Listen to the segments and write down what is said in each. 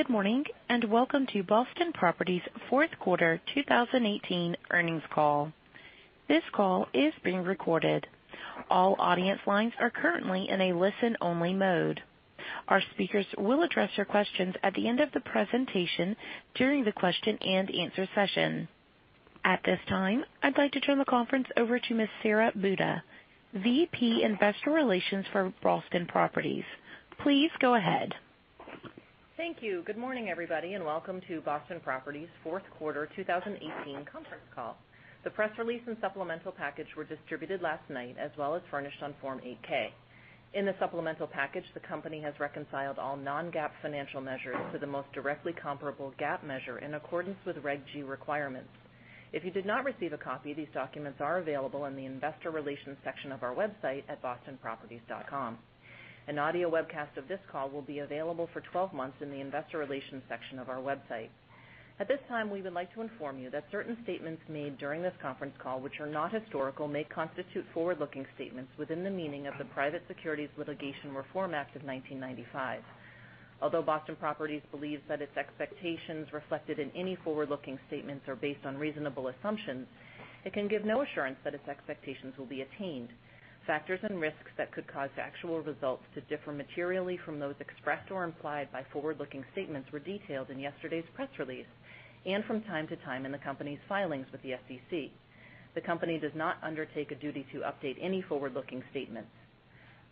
Good morning, welcome to Boston Properties' fourth quarter 2018 earnings call. This call is being recorded. All audience lines are currently in a listen-only mode. Our speakers will address your questions at the end of the presentation during the question and answer session. At this time, I'd like to turn the conference over to Ms. Sara Buda, Vice President, Investor Relations for Boston Properties. Please go ahead. Thank you. Good morning, everybody, welcome to Boston Properties' fourth quarter 2018 conference call. The press release and supplemental package were distributed last night, as well as furnished on Form 8-K. In the supplemental package, the company has reconciled all non-GAAP financial measures to the most directly comparable GAAP measure in accordance with Reg G requirements. If you did not receive a copy, these documents are available in the investor relations section of our website at bostonproperties.com. An audio webcast of this call will be available for 12 months in the investor relations section of our website. At this time, we would like to inform you that certain statements made during this conference call, which are not historical, may constitute forward-looking statements within the meaning of the Private Securities Litigation Reform Act of 1995. Although Boston Properties believes that its expectations reflected in any forward-looking statements are based on reasonable assumptions, it can give no assurance that its expectations will be attained. Factors and risks that could cause actual results to differ materially from those expressed or implied by forward-looking statements were detailed in yesterday's press release, and from time to time in the company's filings with the SEC. The company does not undertake a duty to update any forward-looking statements.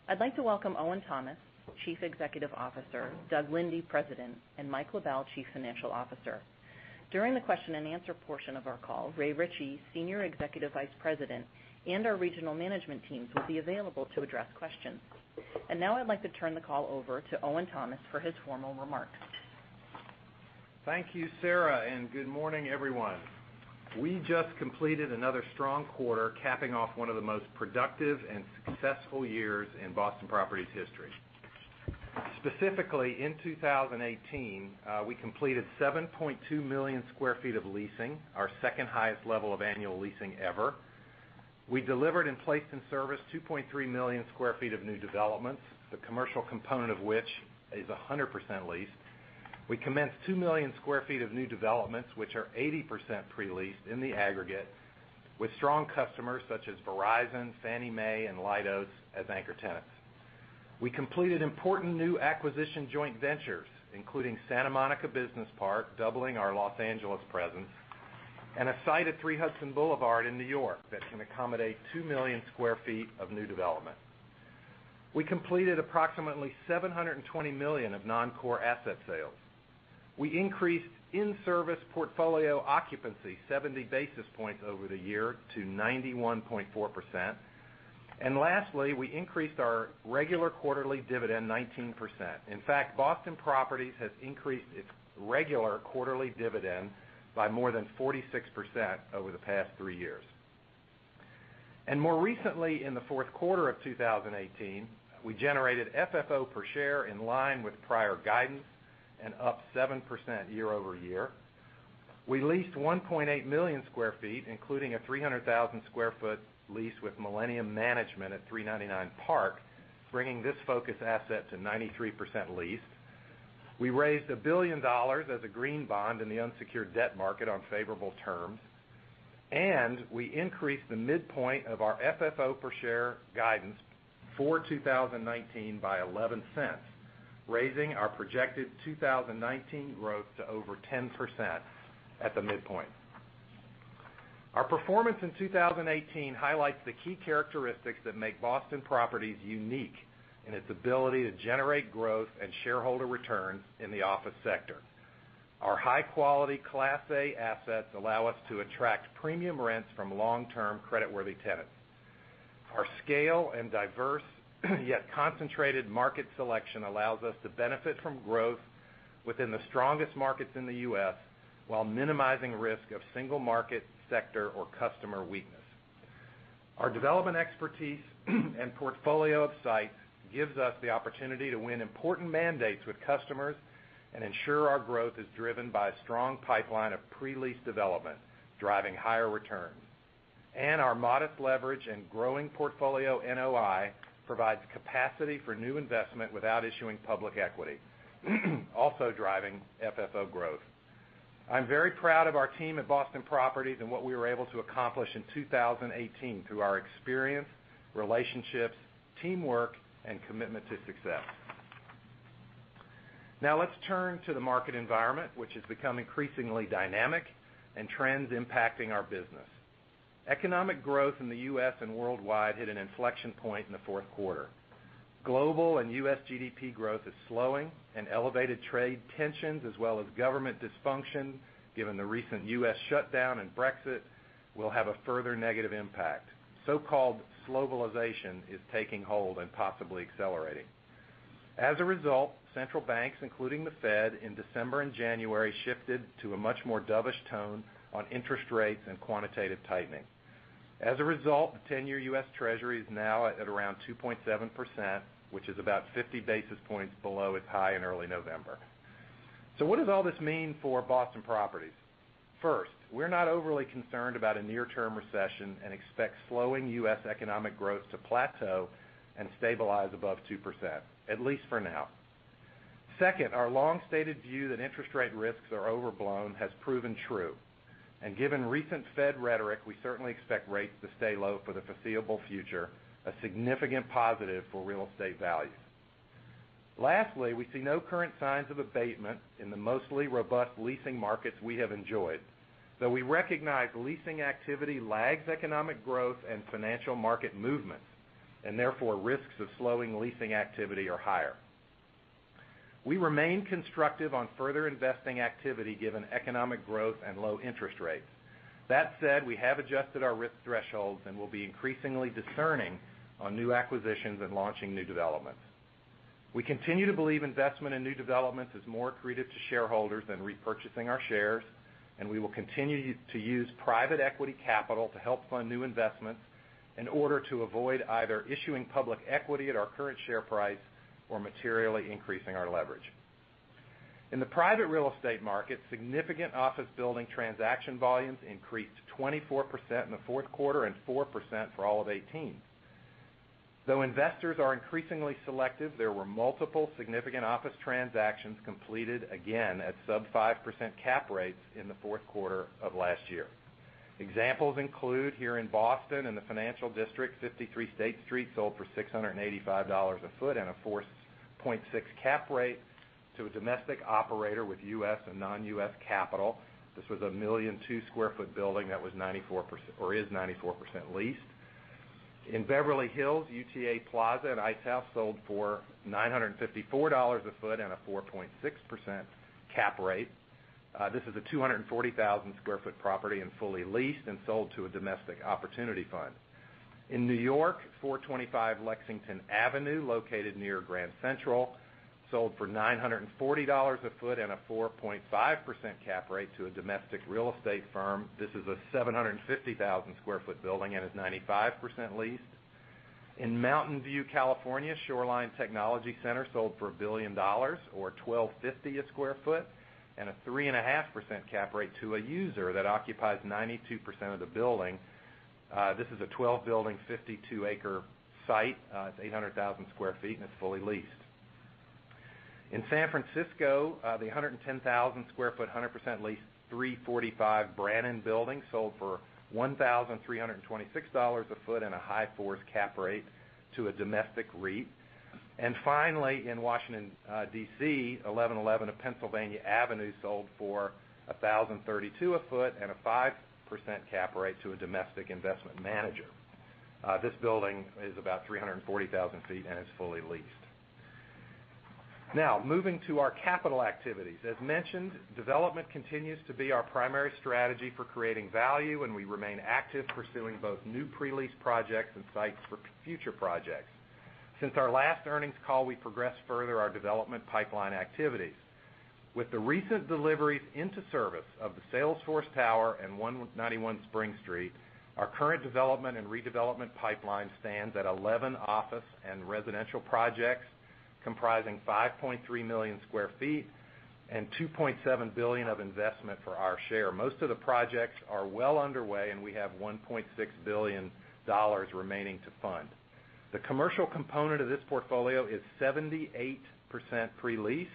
I'd like to welcome Owen Thomas, Chief Executive Officer, Doug Linde, President, and Mike LaBelle, Chief Financial Officer. During the question and answer portion of our call, Ray Ritchey, Senior Executive Vice President, and our regional management teams will be available to address questions. Now I'd like to turn the call over to Owen Thomas for his formal remarks. Thank you, Sara, good morning, everyone. We just completed another strong quarter, capping off one of the most productive and successful years in Boston Properties history. Specifically, in 2018, we completed 7.2 million square feet of leasing, our second highest level of annual leasing ever. We delivered and placed in service 2.3 million square feet of new developments, the commercial component of which is 100% leased. We commenced 2 million square feet of new developments, which are 80% pre-leased in the aggregate with strong customers such as Verizon, Fannie Mae, and Leidos as anchor tenants. We completed important new acquisition joint ventures, including Santa Monica Business Park, doubling our Los Angeles presence, and a site at 3 Hudson Boulevard in New York that can accommodate 2 million square feet of new development. We completed approximately $720 million of non-core asset sales. We increased in-service portfolio occupancy 70 basis points over the year to 91.4%. Lastly, we increased our regular quarterly dividend 19%. In fact, Boston Properties has increased its regular quarterly dividend by more than 46% over the past three years. More recently, in the fourth quarter of 2018, we generated FFO per share in line with prior guidance and up 7% year-over-year. We leased 1.8 million square feet, including a 300,000 sq ft lease with Millennium Management at 399 Park, bringing this focus asset to 93% leased. We raised $1 billion as a green bond in the unsecured debt market on favorable terms, and we increased the midpoint of our FFO per share guidance for 2019 by $0.11, raising our projected 2019 growth to over 10% at the midpoint. Our performance in 2018 highlights the key characteristics that make Boston Properties unique in its ability to generate growth and shareholder returns in the office sector. Our high-quality Class A assets allow us to attract premium rents from long-term creditworthy tenants. Our scale and diverse, yet concentrated market selection allows us to benefit from growth within the strongest markets in the U.S., while minimizing risk of single market sector or customer weakness. Our development expertise and portfolio of sites gives us the opportunity to win important mandates with customers and ensure our growth is driven by a strong pipeline of pre-leased development, driving higher returns. Our modest leverage and growing portfolio NOI provides capacity for new investment without issuing public equity, also driving FFO growth. I'm very proud of our team at Boston Properties and what we were able to accomplish in 2018 through our experience, relationships, teamwork, and commitment to success. Let's turn to the market environment, which has become increasingly dynamic and trends impacting our business. Economic growth in the U.S. and worldwide hit an inflection point in the fourth quarter. Global and U.S. GDP growth is slowing, and elevated trade tensions, as well as government dysfunction, given the recent U.S. shutdown and Brexit, will have a further negative impact. So-called slowbalization is taking hold and possibly accelerating. As a result, central banks, including the Fed, in December and January, shifted to a much more dovish tone on interest rates and quantitative tightening. As a result, the 10-year U.S. Treasury is now at around 2.7%, which is about 50 basis points below its high in early November. What does all this mean for Boston Properties? First, we're not overly concerned about a near-term recession and expect slowing U.S. economic growth to plateau and stabilize above 2%, at least for now. Second, our long-stated view that interest rate risks are overblown has proven true. Given recent Fed rhetoric, we certainly expect rates to stay low for the foreseeable future, a significant positive for real estate value. Lastly, we see no current signs of abatement in the mostly robust leasing markets we have enjoyed. Though we recognize leasing activity lags economic growth and financial market movements, and therefore, risks of slowing leasing activity are higher. We remain constructive on further investing activity given economic growth and low interest rates. That said, we have adjusted our risk thresholds and will be increasingly discerning on new acquisitions and launching new developments. We continue to believe investment in new developments is more accretive to shareholders than repurchasing our shares, we will continue to use private equity capital to help fund new investments in order to avoid either issuing public equity at our current share price or materially increasing our leverage. In the private real estate market, significant office building transaction volumes increased 24% in the fourth quarter and 4% for all of 2018. Though investors are increasingly selective, there were multiple significant office transactions completed again at sub 5% cap rates in the fourth quarter of last year. Examples include here in Boston in the Financial District, 53 State Street sold for $685 a foot and a 4.6% cap rate to a domestic operator with U.S. and non-U.S. capital. This was a 2 million square foot building that is 94% leased. In Beverly Hills, UTA Plaza at The Ice House sold for $954 a foot and a 4.6% cap rate. This is a 240,000 sq ft property and fully leased and sold to a domestic opportunity fund. In New York, 425 Lexington Avenue, located near Grand Central, sold for $940 a foot and a 4.5% cap rate to a domestic real estate firm. This is a 750,000 sq ft building and is 95% leased. In Mountain View, California, Shoreline Technology Center sold for $1 billion or $1,250 a square foot and a 3.5% cap rate to a user that occupies 92% of the building. This is a 12-building, 52-acre site. It's 800,000 sq ft, and it's fully leased. In San Francisco, the 110,000 sq ft, 100% leased, 345 Brannan building sold for $1,326 a foot and a high fours cap rate to a domestic REIT. Finally, in Washington, D.C., 1111 Pennsylvania Avenue sold for $1,032 a foot and a 5% cap rate to a domestic investment manager. This building is about 340,000 ft and is fully leased. Moving to our capital activities. As mentioned, development continues to be our primary strategy for creating value, and we remain active pursuing both new pre-lease projects and sites for future projects. Since our last earnings call, we progressed further our development pipeline activities. With the recent deliveries into service of the Salesforce Tower and 191 Spring Street, our current development and redevelopment pipeline stands at 11 office and residential projects comprising 5.3 million square feet and $2.7 billion of investment for our share. Most of the projects are well underway, and we have $1.6 billion remaining to fund. The commercial component of this portfolio is 78% pre-leased,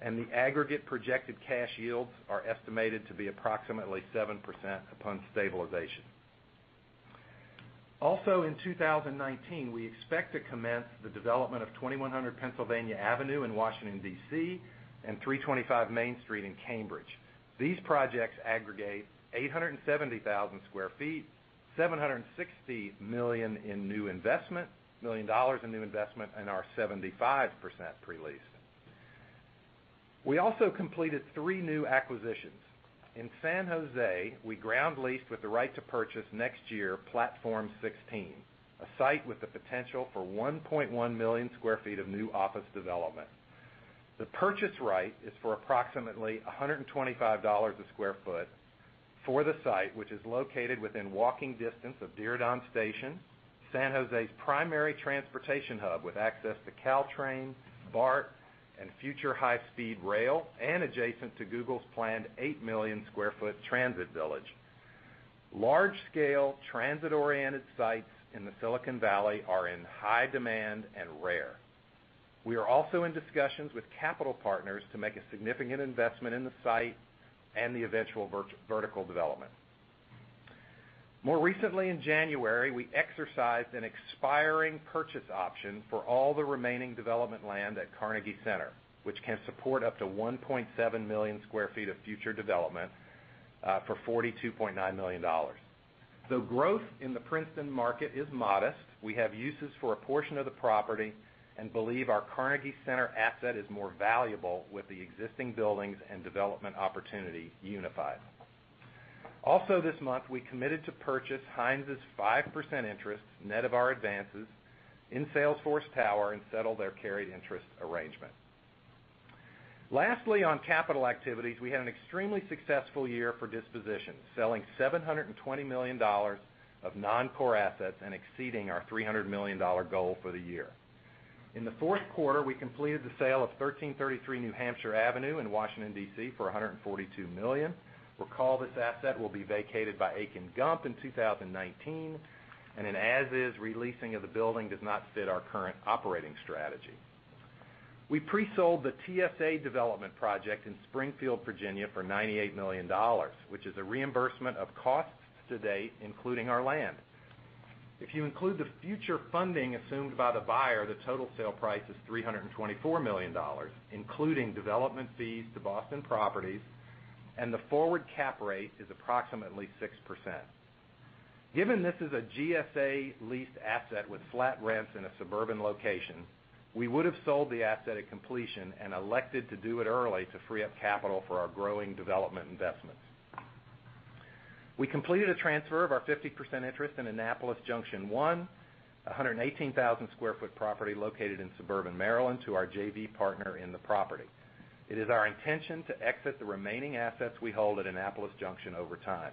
the aggregate projected cash yields are estimated to be approximately 7% upon stabilization. In 2019, we expect to commence the development of 2100 Pennsylvania Avenue in Washington, D.C., and 325 Main Street in Cambridge. These projects aggregate 870,000 sq ft, $760 million in new investment, and are 75% pre-leased. We also completed three new acquisitions. In San Jose, we ground leased with the right to purchase next year Platform 16, a site with the potential for 1.1 million square feet of new office development. The purchase right is for approximately $125 a square foot for the site, which is located within walking distance of Diridon Station, San Jose's primary transportation hub, with access to Caltrain, BART, and future high-speed rail, and adjacent to Google's planned 8 million square foot Transit Village. Large-scale, transit-oriented sites in the Silicon Valley are in high demand and rare. We are also in discussions with capital partners to make a significant investment in the site and the eventual vertical development. More recently in January, we exercised an expiring purchase option for all the remaining development land at Carnegie Center, which can support up to 1.7 million square feet of future development for $42.9 million. Though growth in the Princeton market is modest, we have uses for a portion of the property and believe our Carnegie Center asset is more valuable with the existing buildings and development opportunity unified. Also this month, we committed to purchase Hines' 5% interest net of our advances in Salesforce Tower and settle their carried interest arrangement. Lastly, on capital activities, we had an extremely successful year for dispositions, selling $720 million of non-core assets and exceeding our $300 million goal for the year. In the fourth quarter, we completed the sale of 1333 New Hampshire Avenue in Washington, D.C. for $142 million. Recall, this asset will be vacated by Akin Gump in 2019. An as-is re-leasing of the building does not fit our current operating strategy. We pre-sold the TSA development project in Springfield, Virginia for $98 million, which is a reimbursement of costs to date, including our land. If you include the future funding assumed by the buyer, the total sale price is $324 million, including development fees to Boston Properties. The forward cap rate is approximately 6%. Given this is a GSA-leased asset with flat rents in a suburban location, we would've sold the asset at completion and elected to do it early to free up capital for our growing development investments. We completed a transfer of our 50% interest in Annapolis Junction 1, 118,000 sq ft property located in suburban Maryland, to our JV partner in the property. It is our intention to exit the remaining assets we hold at Annapolis Junction over time.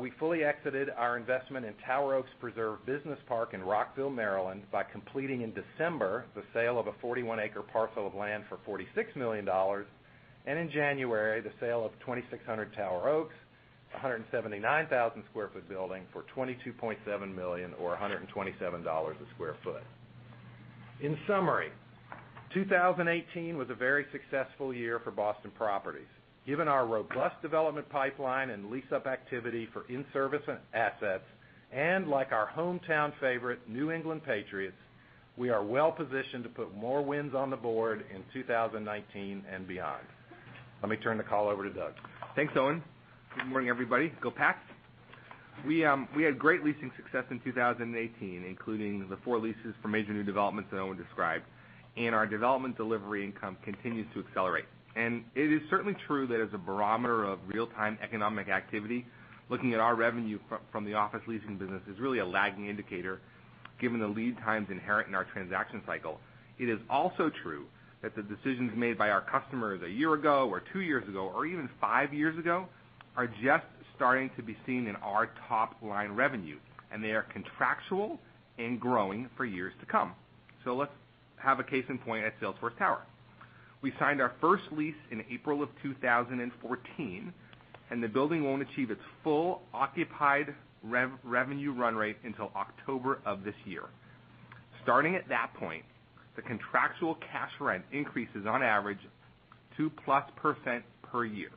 We fully exited our investment in Tower Oaks Preserve Business Park in Rockville, Maryland by completing in December the sale of a 41-acre parcel of land for $46 million, and in January, the sale of 2600 Tower Oaks, a 179,000 sq ft building for $22.7 million or $127 a square foot. In summary, 2018 was a very successful year for Boston Properties. Given our robust development pipeline and lease-up activity for in-service assets, like our hometown favorite, New England Patriots, we are well positioned to put more wins on the board in 2019 and beyond. Let me turn the call over to Doug. Thanks, Owen. Good morning, everybody. Go Pats. We had great leasing success in 2018, including the four leases for major new developments that Owen described, our development delivery income continues to accelerate. It is certainly true that as a barometer of real-time economic activity, looking at our revenue from the office leasing business is really a lagging indicator, given the lead times inherent in our transaction cycle. It is also true that the decisions made by our customers a year ago, or two years ago, or even five years ago, are just starting to be seen in our top-line revenue, and they are contractual and growing for years to come. Let's have a case in point at Salesforce Tower. We signed our first lease in April of 2014, and the building won't achieve its full occupied revenue run rate until October of this year. Starting at that point, the contractual cash rent increases on average 2%+ per year.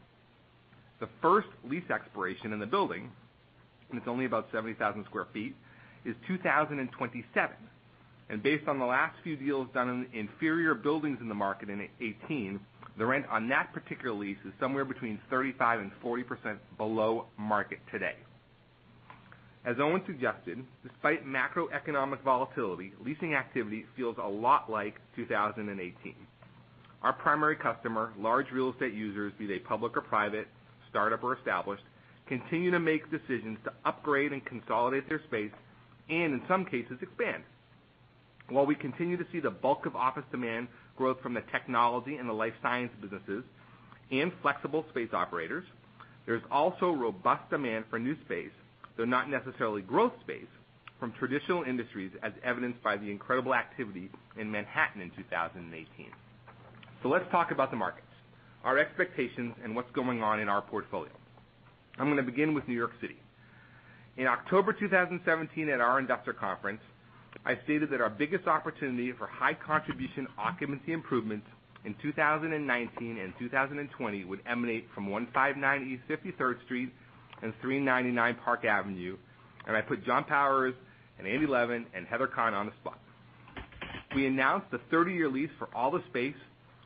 The first lease expiration in the building, and it's only about 70,000 sq ft, is 2027. Based on the last few deals done in inferior buildings in the market in 2018, the rent on that particular lease is somewhere between 35%-40% below market today. As Owen suggested, despite macroeconomic volatility, leasing activity feels a lot like 2018. Our primary customer, large real estate users, be they public or private, startup or established, continue to make decisions to upgrade and consolidate their space, and in some cases expand. While we continue to see the bulk of office demand growth from the technology and the life science businesses and flexible space operators, there's also robust demand for new space, though not necessarily growth space, from traditional industries, as evidenced by the incredible activity in Manhattan in 2018. Let's talk about the markets, our expectations, and what's going on in our portfolio. I'm going to begin with New York City. In October 2017 at our investor conference, I stated that our biggest opportunity for high contribution occupancy improvements in 2019 and 2020 would emanate from 159 East 53rd Street and 399 Park Avenue, and I put John Powers and Andy Levin and Heather Kahn on the spot. We announced the 30-year lease for all the space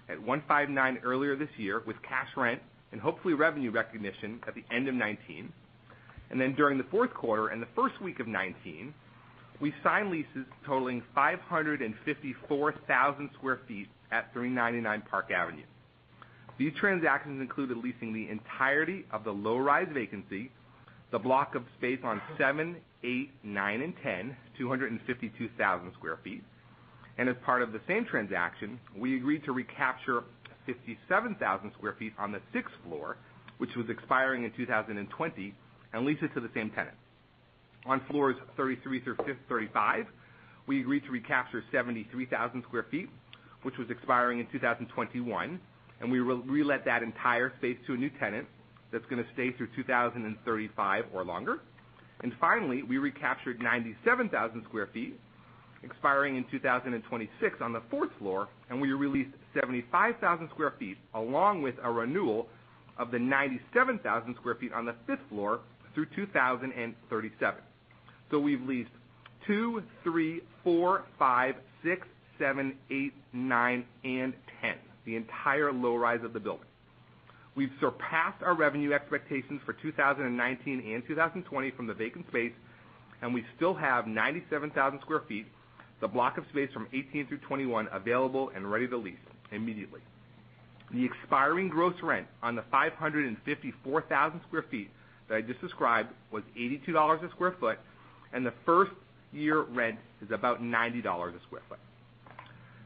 at 159 earlier this year with cash rent and hopefully revenue recognition at the end of 2019. During the fourth quarter and the first week of 2019, we signed leases totaling 554,000 sq ft at 399 Park Avenue. These transactions included leasing the entirety of the low-rise vacancy, the block of space on seven, eight, nine, and 10, 252,000 sq ft. As part of the same transaction, we agreed to recapture 57,000 sq ft on the sixth floor, which was expiring in 2020, and lease it to the same tenant. On floors 33-35, we agreed to recapture 73,000 sq ft, which was expiring in 2021, and we relet that entire space to a new tenant that's going to stay through 2035 or longer. Finally, we recaptured 97,000 sq ft expiring in 2026 on the fourth floor, and we re-leased 75,000 sq ft, along with a renewal of the 97,000 sq ft on the fifth floor through 2037. We've leased two, three, four, five, six, seven, eight, nine, and 10, the entire low-rise of the building. We've surpassed our revenue expectations for 2019 and 2020 from the vacant space, and we still have 97,000 sq ft, the block of space from 18 through 21, available and ready to lease immediately. The expiring gross rent on the 554,000 sq ft that I just described was $82 a square foot, and the first-year rent is about $90 a square foot.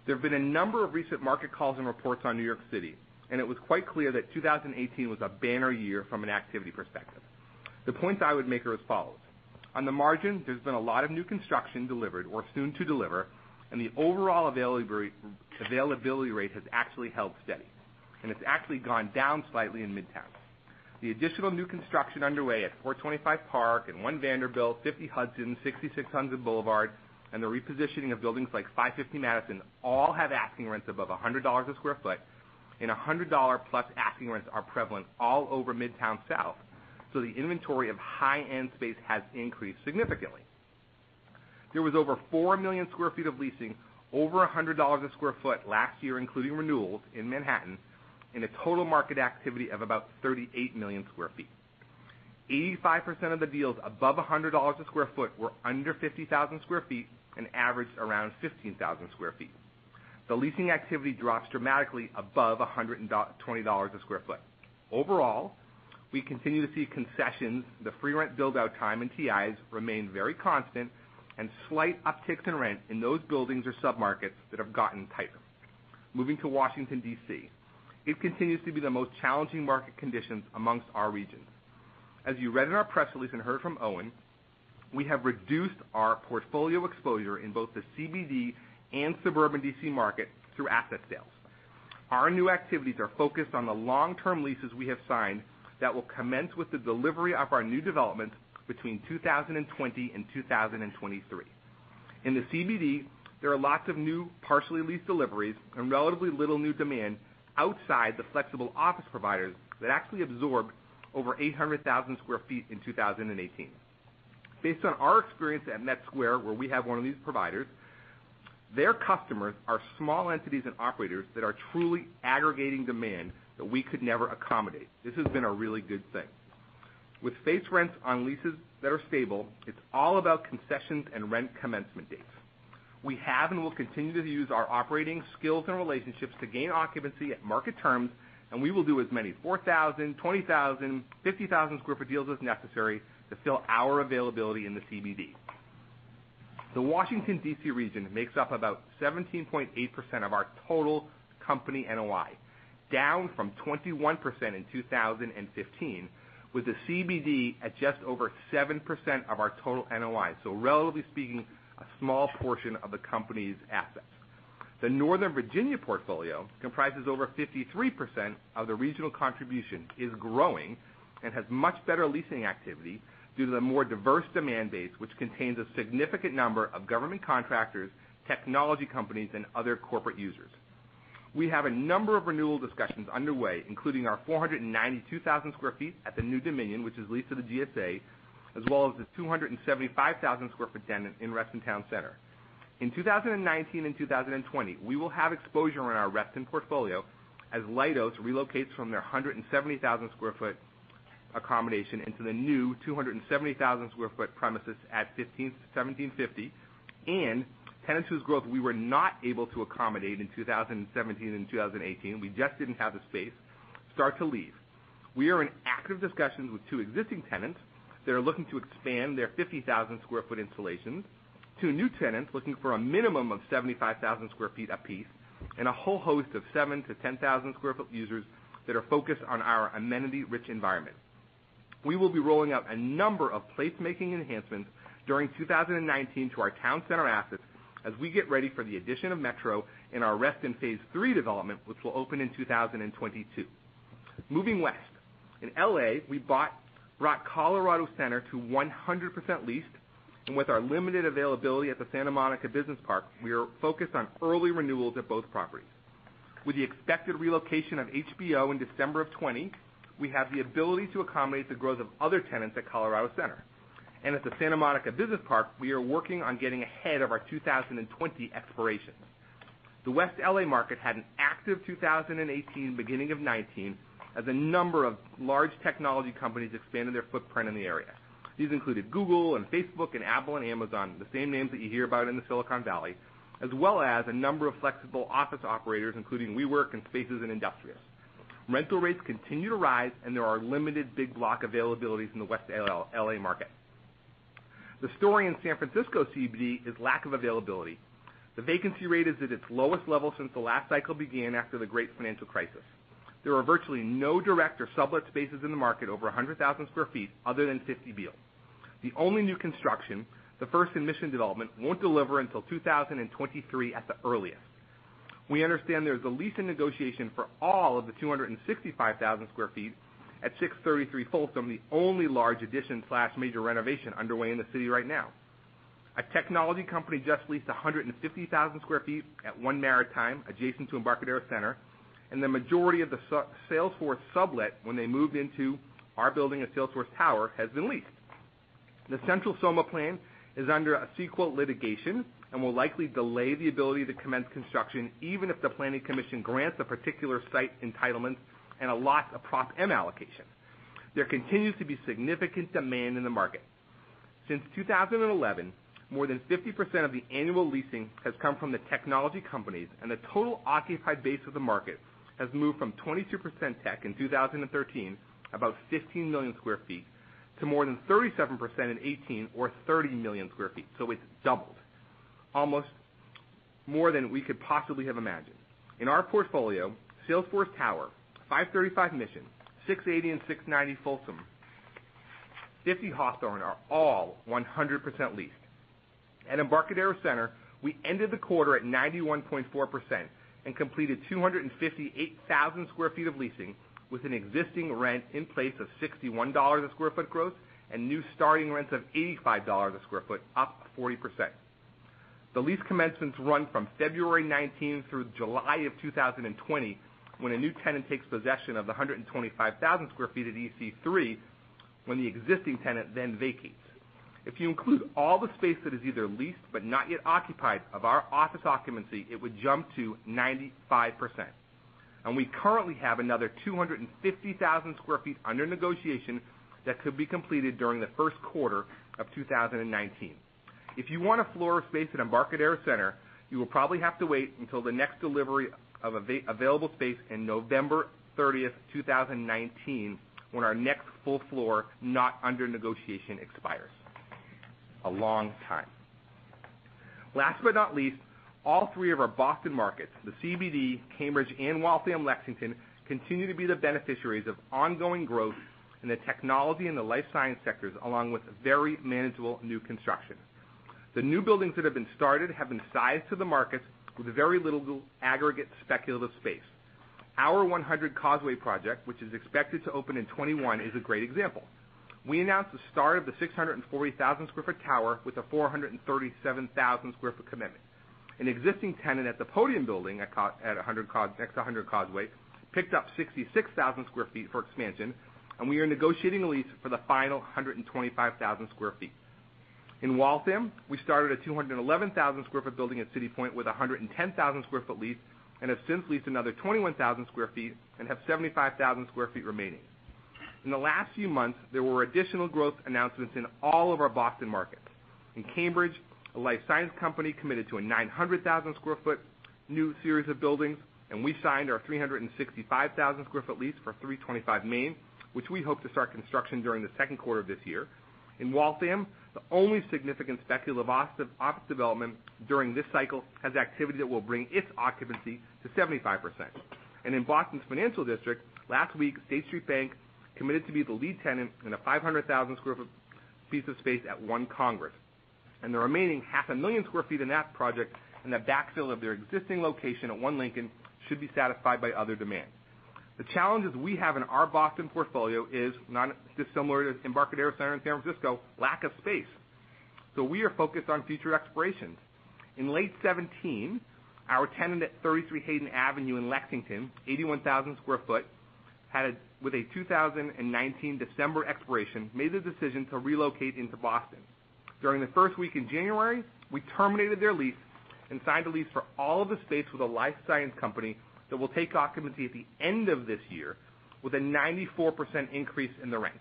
There have been a number of recent market calls and reports on New York City, and it was quite clear that 2018 was a banner year from an activity perspective. The points I would make are as follows. On the margin, there's been a lot of new construction delivered or soon to deliver, and the overall availability rate has actually held steady, and it's actually gone down slightly in Midtown. The additional new construction underway at 425 Park and 1 Vanderbilt, 50 Hudson, 66 Hudson Boulevard, and the repositioning of buildings like 550 Madison all have asking rents above $100 a square foot and $100+ asking rents are prevalent all over Midtown South, so the inventory of high-end space has increased significantly. There was over 4 million square feet of leasing over $100 a square foot last year, including renewals in Manhattan, and a total market activity of about 38 million square feet. 85% of the deals above $100 a square foot were under 50,000 sq ft and averaged around 15,000 sq ft. The leasing activity drops dramatically above $120 a square foot. Overall, we continue to see concessions. The free rent build-out time in TIs remain very constant and slight upticks in rent in those buildings or sub-markets that have gotten tighter. Moving to Washington, D.C. It continues to be the most challenging market conditions amongst our regions. As you read in our press release and heard from Owen, we have reduced our portfolio exposure in both the CBD and suburban D.C. market through asset sales. Our new activities are focused on the long-term leases we have signed that will commence with the delivery of our new developments between 2020 and 2023. In the CBD, there are lots of new partially leased deliveries and relatively little new demand outside the flexible office providers that actually absorbed over 800,000 sq ft in 2018. Based on our experience at MetSquare, where we have one of these providers, their customers are small entities and operators that are truly aggregating demand that we could never accommodate. This has been a really good thing. With face rents on leases that are stable, it's all about concessions and rent commencement dates. We have and will continue to use our operating skills and relationships to gain occupancy at market terms, and we will do as many 4,000 sq ft, 20,000 sq ft, 50,000 sq ft deals as necessary to fill our availability in the CBD. The Washington, D.C. region makes up about 17.8% of our total company NOI, down from 21% in 2015, with the CBD at just over 7% of our total NOI. Relatively speaking, a small portion of the company's assets. The Northern Virginia portfolio comprises over 53% of the regional contribution, is growing, and has much better leasing activity due to the more diverse demand base, which contains a significant number of government contractors, technology companies, and other corporate users. We have a number of renewal discussions underway, including our 492,000 sq ft at the New Dominion, which is leased to the GSA, as well as the 275,000 sq ft tenant in Reston Town Center. In 2019 and 2020, we will have exposure in our Reston portfolio as Leidos relocates from their 170,000 sq ft accommodation into the new 270,000 sq ft premises at 15 to 17.50, and tenants whose growth we were not able to accommodate in 2017 and 2018, we just didn't have the space, start to leave. We are in active discussions with two existing tenants that are looking to expand their 50,000 sq ft installations, two new tenants looking for a minimum of 75,000 sq ft apiece, and a whole host of 7,000-10,000 sq ft users that are focused on our amenity-rich environment. We will be rolling out a number of place-making enhancements during 2019 to our town center assets as we get ready for the addition of Metro in our Reston phase III development, which will open in 2022. Moving west. In L.A., we brought Colorado Center to 100% leased, and with our limited availability at the Santa Monica Business Park, we are focused on early renewals at both properties. With the expected relocation of HBO in December of 2020, we have the ability to accommodate the growth of other tenants at Colorado Center. At the Santa Monica Business Park, we are working on getting ahead of our 2020 expirations. The West L.A. market had an active 2018, beginning of 2019, as a number of large technology companies expanded their footprint in the area. These included Google, Facebook, Apple, and Amazon, the same names that you hear about in the Silicon Valley, as well as a number of flexible office operators, including WeWork, Spaces, and Industrious. Rental rates continue to rise, and there are limited big block availabilities in the West L.A. market. The story in San Francisco CBD is lack of availability. The vacancy rate is at its lowest level since the last cycle began after the great financial crisis. There are virtually no direct or sublet spaces in the market over 100,000 sq ft other than 50 Beale. The only new construction, the First and Mission development, won't deliver until 2023 at the earliest. We understand there's a leasing negotiation for all of the 265,000 sq ft at 633 Folsom, the only large addition/major renovation underway in the city right now. A technology company just leased 150,000 sq ft at One Maritime, adjacent to Embarcadero Center, and the majority of the Salesforce sublet when they moved into our building at Salesforce Tower has been leased. The Central SoMa plan is under a CEQA litigation and will likely delay the ability to commence construction, even if the planning commission grants the particular site entitlements and allots a Prop M allocation. There continues to be significant demand in the market. Since 2011, more than 50% of the annual leasing has come from the technology companies, and the total occupied base of the market has moved from 22% tech in 2013, about 16 million square feet, to more than 37% in 2018 or 30 million square feet. It's doubled almost more than we could possibly have imagined. In our portfolio, Salesforce Tower, 535 Mission, 680 and 690 Folsom, 50 Hawthorne, are all 100% leased. At Embarcadero Center, we ended the quarter at 91.4% and completed 258,000 sq ft of leasing with an existing rent in place of $61 a square foot growth and new starting rents of $85 a square foot, up 40%. The lease commencements run from February 19 through July of 2020, when a new tenant takes possession of the 125,000 sq ft at EC3, when the existing tenant then vacates. If you include all the space that is either leased but not yet occupied of our office occupancy, it would jump to 95%. We currently have another 250,000 sq ft under negotiation that could be completed during the first quarter of 2019. If you want a floor space at Embarcadero Center, you will probably have to wait until the next delivery of available space in November 30th, 2019, when our next full floor, not under negotiation, expires. A long time. Last but not least, all three of our Boston markets, the CBD, Cambridge, and Waltham Lexington, continue to be the beneficiaries of ongoing growth in the technology and the life science sectors, along with very manageable new construction. The new buildings that have been started have been sized to the markets with very little aggregate speculative space. Our 100 Causeway project, which is expected to open in 2021, is a great example. We announced the start of the 640,000 sq ft tower with a 437,000 sq ft commitment. An existing tenant at the podium building next to 100 Causeway, picked up 66,000 sq ft for expansion, and we are negotiating a lease for the final 125,000 sq ft. In Waltham, we started a 211,000 sq ft building at City Point with 110,000 sq ft leased. We have since leased another 21,000 sq ft and have 75,000 sq ft remaining. In the last few months, there were additional growth announcements in all of our Boston markets. In Cambridge, a life science company committed to a 900,000 sq ft new series of buildings. We signed our 365,000 sq ft lease for 325 Main, which we hope to start construction during the second quarter of this year. In Waltham, the only significant speculative office development during this cycle has activity that will bring its occupancy to 75%. In Boston's Financial District, last week, State Street Bank committed to be the lead tenant in a 500,000 sq ft piece of space at 1 Congress. The remaining half a million sq ft in that project and the backfill of their existing location at 1 Lincoln should be satisfied by other demands. The challenges we have in our Boston portfolio is not dissimilar to Embarcadero Center in San Francisco, lack of space. We are focused on future expirations. In late 2017, our tenant at 33 Hayden Avenue in Lexington, 81,000 sq ft, with a 2019 December expiration, made the decision to relocate into Boston. During the first week in January, we terminated their lease and signed a lease for all of the space with a life science company that will take occupancy at the end of this year with a 94% increase in the rent.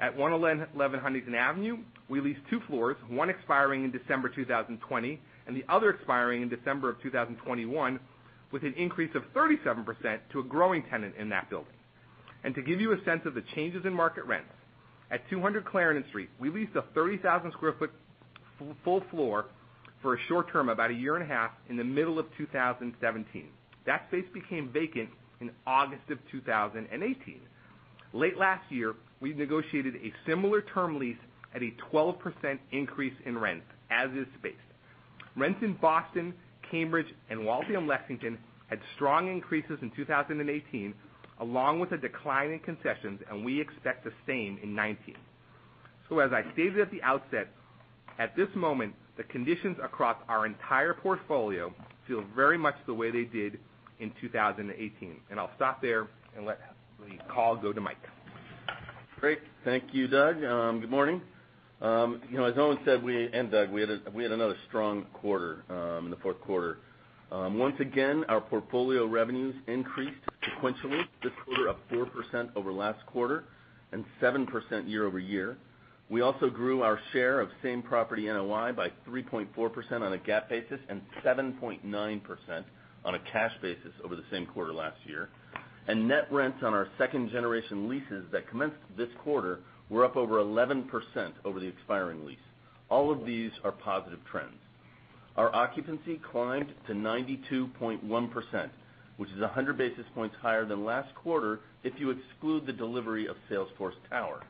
At 111 Huntington Avenue, we leased two floors, one expiring in December 2020 and the other expiring in December of 2021, with an increase of 37% to a growing tenant in that building. To give you a sense of the changes in market rents, at 200 Clarendon Street, we leased a 30,000 sq ft full floor for a short term, about a year and a half, in the middle of 2017. That space became vacant in August of 2018. Late last year, we negotiated a similar term lease at a 12% increase in rent as is space. Rents in Boston, Cambridge, and Waltham Lexington had strong increases in 2018, along with a decline in concessions, and we expect the same in 2019. As I stated at the outset, at this moment, the conditions across our entire portfolio feel very much the way they did in 2018. I'll stop there and let the call go to Mike. Great. Thank you, Doug. Good morning. As Owen said, Doug, we had another strong quarter in the fourth quarter. Once again, our portfolio revenues increased sequentially this quarter up 4% over last quarter and 7% year-over-year. We also grew our share of same property NOI by 3.4% on a GAAP basis and 7.9% on a cash basis over the same quarter last year. Net rents on our second generation leases that commenced this quarter were up over 11% over the expiring lease. All of these are positive trends. Our occupancy climbed to 92.1%, which is 100 basis points higher than last quarter if you exclude the delivery of Salesforce Tower.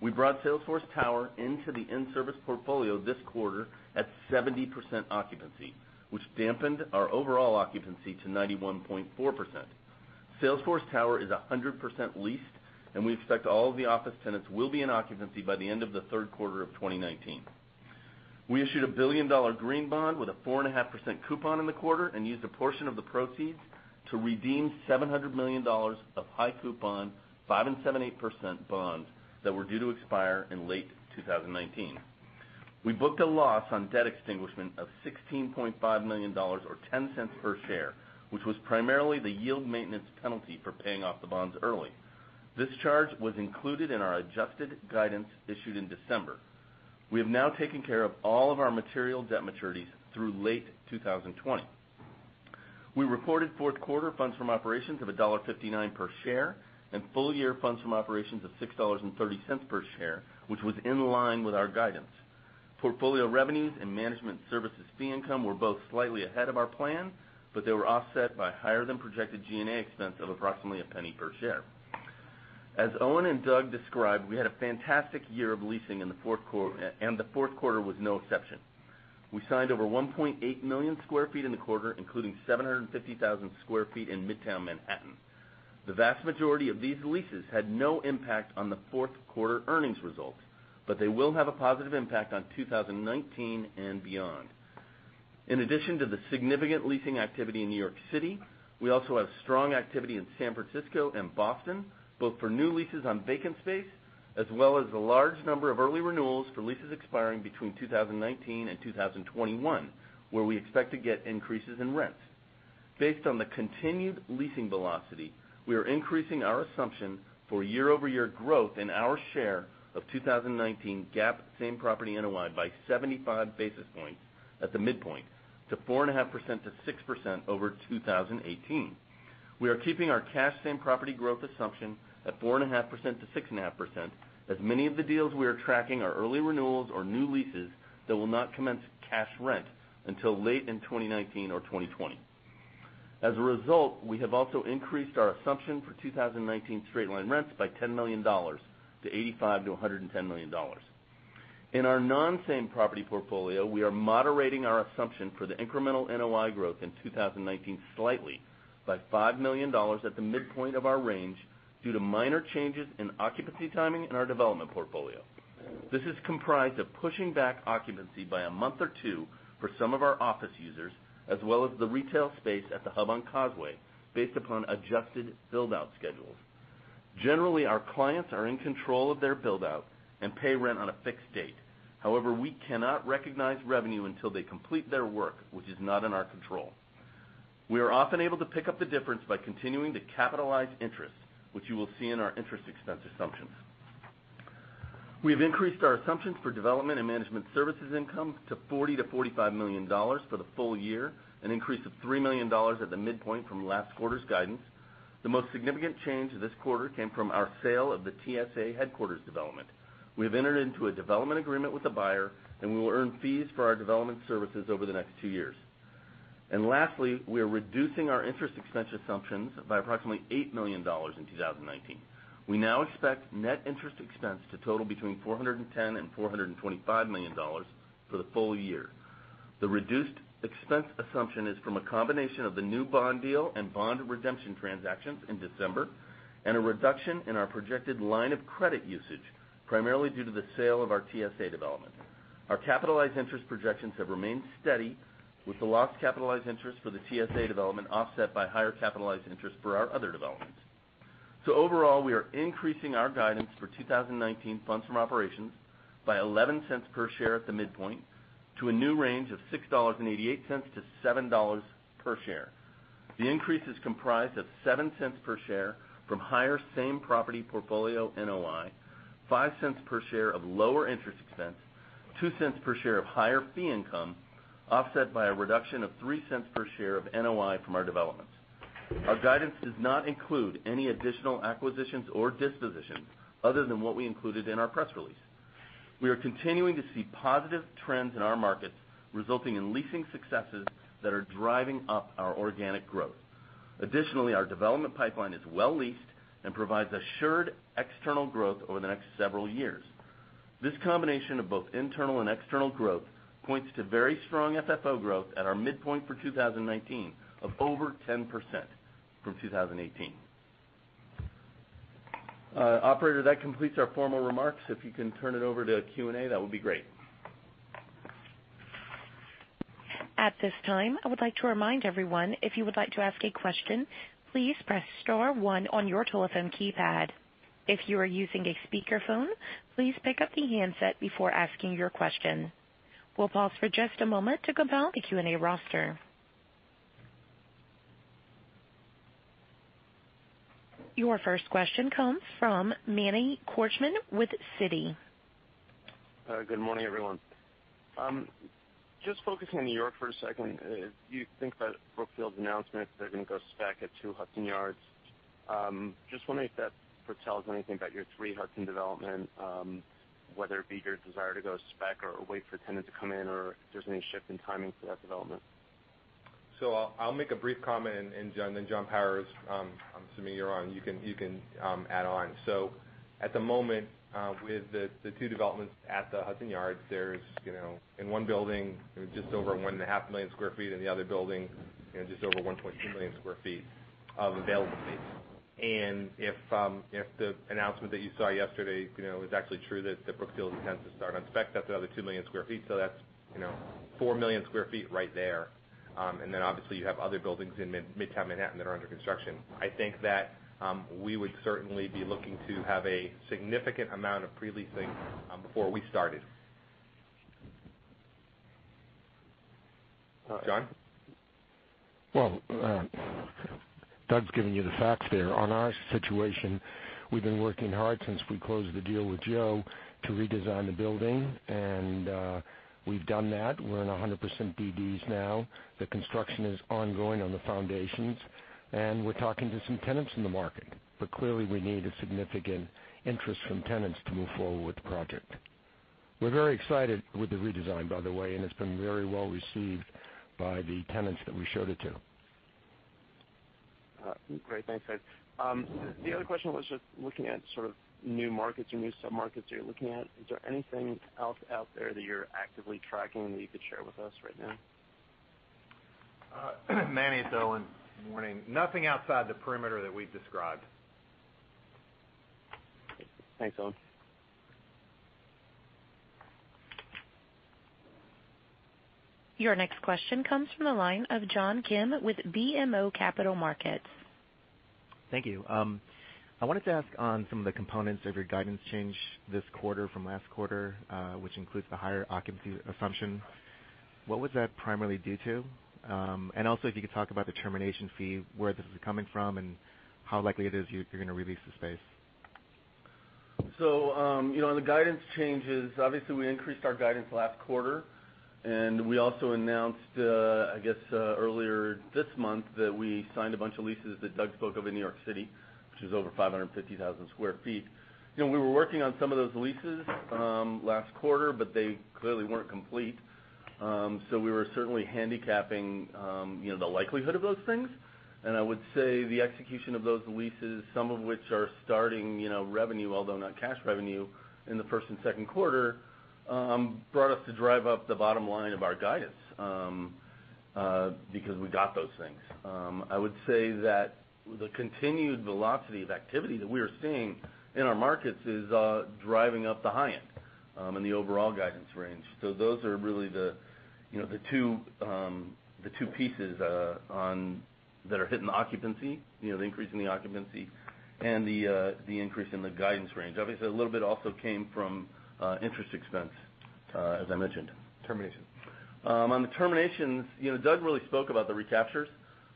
We brought Salesforce Tower into the in-service portfolio this quarter at 70% occupancy, which dampened our overall occupancy to 91.4%. Salesforce Tower is 100% leased. We expect all of the office tenants will be in occupancy by the end of the third quarter of 2019. We issued a billion-dollar green bond with a 4.5% coupon in the quarter and used a portion of the proceeds to redeem $700 million of high coupon, 5.78% bonds that were due to expire in late 2019. We booked a loss on debt extinguishment of $16.5 million, or $0.10 per share, which was primarily the yield maintenance penalty for paying off the bonds early. This charge was included in our adjusted guidance issued in December. We have now taken care of all of our material debt maturities through late 2020. We reported fourth quarter funds from operations of $1.59 per share and full-year funds from operations of $6.30 per share, which was in line with our guidance. Portfolio revenues and management services fee income were both slightly ahead of our plan. They were offset by higher than projected G&A expense of approximately $0.01 per share. As Owen and Doug described, we had a fantastic year of leasing in the fourth quarter. The fourth quarter was no exception. We signed over 1.8 million square feet in the quarter, including 750,000 sq ft in Midtown Manhattan. The vast majority of these leases had no impact on the fourth quarter earnings results. They will have a positive impact on 2019 and beyond. In addition to the significant leasing activity in New York City, we also have strong activity in San Francisco and Boston, both for new leases on vacant space, as well as a large number of early renewals for leases expiring between 2019 and 2021, where we expect to get increases in rents. Based on the continued leasing velocity, we are increasing our assumption for year-over-year growth in our share of 2019 GAAP same-property NOI by 75 basis points at the midpoint to 4.5%-6% over 2018. We are keeping our cash same-property growth assumption at 4.5%-6.5% as many of the deals we are tracking are early renewals or new leases that will not commence cash rent until late in 2019 or 2020. As a result, we have also increased our assumption for 2019 straight-line rents by $10 million to $85 million-$110 million. In our non-same property portfolio, we are moderating our assumption for the incremental NOI growth in 2019 slightly by $5 million at the midpoint of our range due to minor changes in occupancy timing in our development portfolio. This is comprised of pushing back occupancy by a month or two for some of our office users, as well as the retail space at The Hub on Causeway based upon adjusted build-out schedules. Generally, our clients are in control of their build-out and pay rent on a fixed date. We cannot recognize revenue until they complete their work, which is not in our control. We are often able to pick up the difference by continuing to capitalize interest, which you will see in our interest expense assumptions. We have increased our assumptions for development and management services income to $40 million-$45 million for the full year, an increase of $3 million at the midpoint from last quarter's guidance. The most significant change this quarter came from our sale of the TSA headquarters development. We have entered into a development agreement with the buyer. We will earn fees for our development services over the next two years. Lastly, we are reducing our interest expense assumptions by approximately $8 million in 2019. We now expect net interest expense to total between $410 and $425 million for the full year. The reduced expense assumption is from a combination of the new bond deal and bond redemption transactions in December and a reduction in our projected line of credit usage, primarily due to the sale of our TSA development. Our capitalized interest projections have remained steady with the lost capitalized interest for the TSA development offset by higher capitalized interest for our other developments. Overall, we are increasing our guidance for 2019 funds from operations by $0.11 per share at the midpoint to a new range of $6.88-$7 per share. The increase is comprised of $0.07 per share from higher same-property portfolio NOI, $0.05 per share of lower interest expense, $0.02 per share of higher fee income, offset by a reduction of $0.03 per share of NOI from our developments. Our guidance does not include any additional acquisitions or dispositions other than what we included in our press release. We are continuing to see positive trends in our markets, resulting in leasing successes that are driving up our organic growth. Additionally, our development pipeline is well leased and provides assured external growth over the next several years. This combination of both internal and external growth points to very strong FFO growth at our midpoint for 2019 of over 10% from 2018. Operator, that completes our formal remarks. If you can turn it over to Q&A, that would be great. At this time, I would like to remind everyone if you would like to ask a question, please press star one on your telephone keypad. If you are using a speakerphone, please pick up the handset before asking your question. We'll pause for just a moment to compile the Q&A roster. Your first question comes from Manny Korchman with Citi. Good morning, everyone. Just focusing on New York for a second, you think about Brookfield's announcement, they're going to go spec at 2 Hudson Yards. Just wondering if that foretells anything about your Three Hudson development, whether it be your desire to go spec or wait for a tenant to come in, or if there's any shift in timing for that development. I'll make a brief comment and, John Powers, I'm assuming you're on, you can add on. At the moment, with the two developments at the Hudson Yards, there's in one building, just over 1.5 million square feet, in the other building, just over 1.2 million square feet of available space. If the announcement that you saw yesterday is actually true that Brookfield intends to start on spec, that's another 2 million square feet, so that's 4 million square feet right there. Obviously you have other buildings in midtown Manhattan that are under construction. I think that we would certainly be looking to have a significant amount of pre-leasing before we started. John? Well, Doug's giving you the facts there. On our situation, we've been working hard since we closed the deal with Joe to redesign the building, and we've done that. We're in 100% DDs now. The construction is ongoing on the foundations, and we're talking to some tenants in the market. Clearly, we need a significant interest from tenants to move forward with the project. We're very excited with the redesign, by the way, and it's been very well-received by the tenants that we showed it to. Great. Thanks, Doug. The other question was just looking at sort of new markets or new sub-markets you're looking at. Is there anything else out there that you're actively tracking that you could share with us right now? Manny, it's Owen. Morning. Nothing outside the perimeter that we've described. Thanks, Owen. Your next question comes from the line of John Kim with BMO Capital Markets. Thank you. I wanted to ask on some of the components of your guidance change this quarter from last quarter, which includes the higher occupancy assumption. What was that primarily due to? Also, if you could talk about the termination fee, where this is coming from, and how likely it is you're going to release the space. On the guidance changes, obviously, we increased our guidance last quarter, we also announced, I guess, earlier this month that we signed a bunch of leases that Doug spoke of in New York City, which is over 550,000 sq ft. We were working on some of those leases last quarter, they clearly weren't complete. We were certainly handicapping the likelihood of those things. I would say, the execution of those leases, some of which are starting revenue, although not cash revenue, in the first and second quarter, brought us to drive up the bottom line of our guidance, because we got those things. I would say that the continued velocity of activity that we are seeing in our markets is driving up the high end in the overall guidance range. Those are really the two pieces that are hitting the occupancy, the increase in the occupancy, and the increase in the guidance range. Obviously, a little bit also came from interest expense, as I mentioned. Termination. On the terminations, Doug really spoke about the recaptures,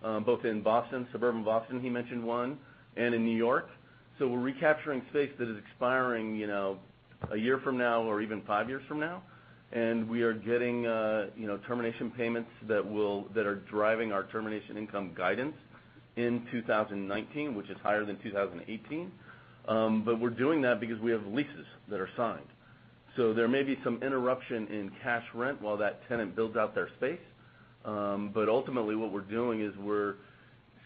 both in Boston, suburban Boston, he mentioned one, and in New York. We're recapturing space that is expiring a year from now or even five years from now. We are getting termination payments that are driving our termination income guidance in 2019, which is higher than 2018. We're doing that because we have leases that are signed. There may be some interruption in cash rent while that tenant builds out their space. Ultimately, what we're doing is we're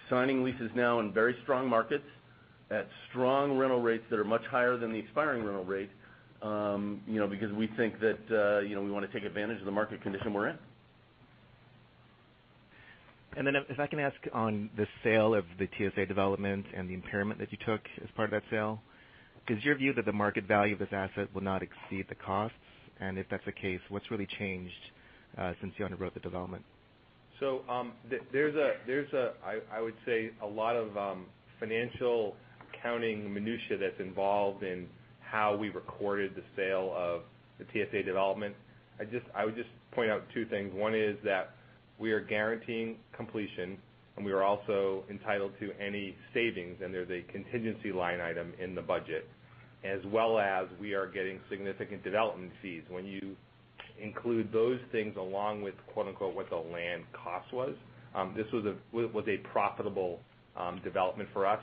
signing leases now in very strong markets, at strong rental rates that are much higher than the expiring rental rate, because we think that we want to take advantage of the market condition we're in. If I can ask on the sale of the TSA development and the impairment that you took as part of that sale, is your view that the market value of this asset will not exceed the costs? If that's the case, what's really changed since you underwrote the development? There's, I would say, a lot of financial accounting minutia that's involved in how we recorded the sale of the TSA development. I would just point out two things. One is that we are guaranteeing completion, and we are also entitled to any savings, and there's a contingency line item in the budget, as well as we are getting significant development fees. When you include those things along with, quote-unquote, what the land cost was, this was a profitable development for us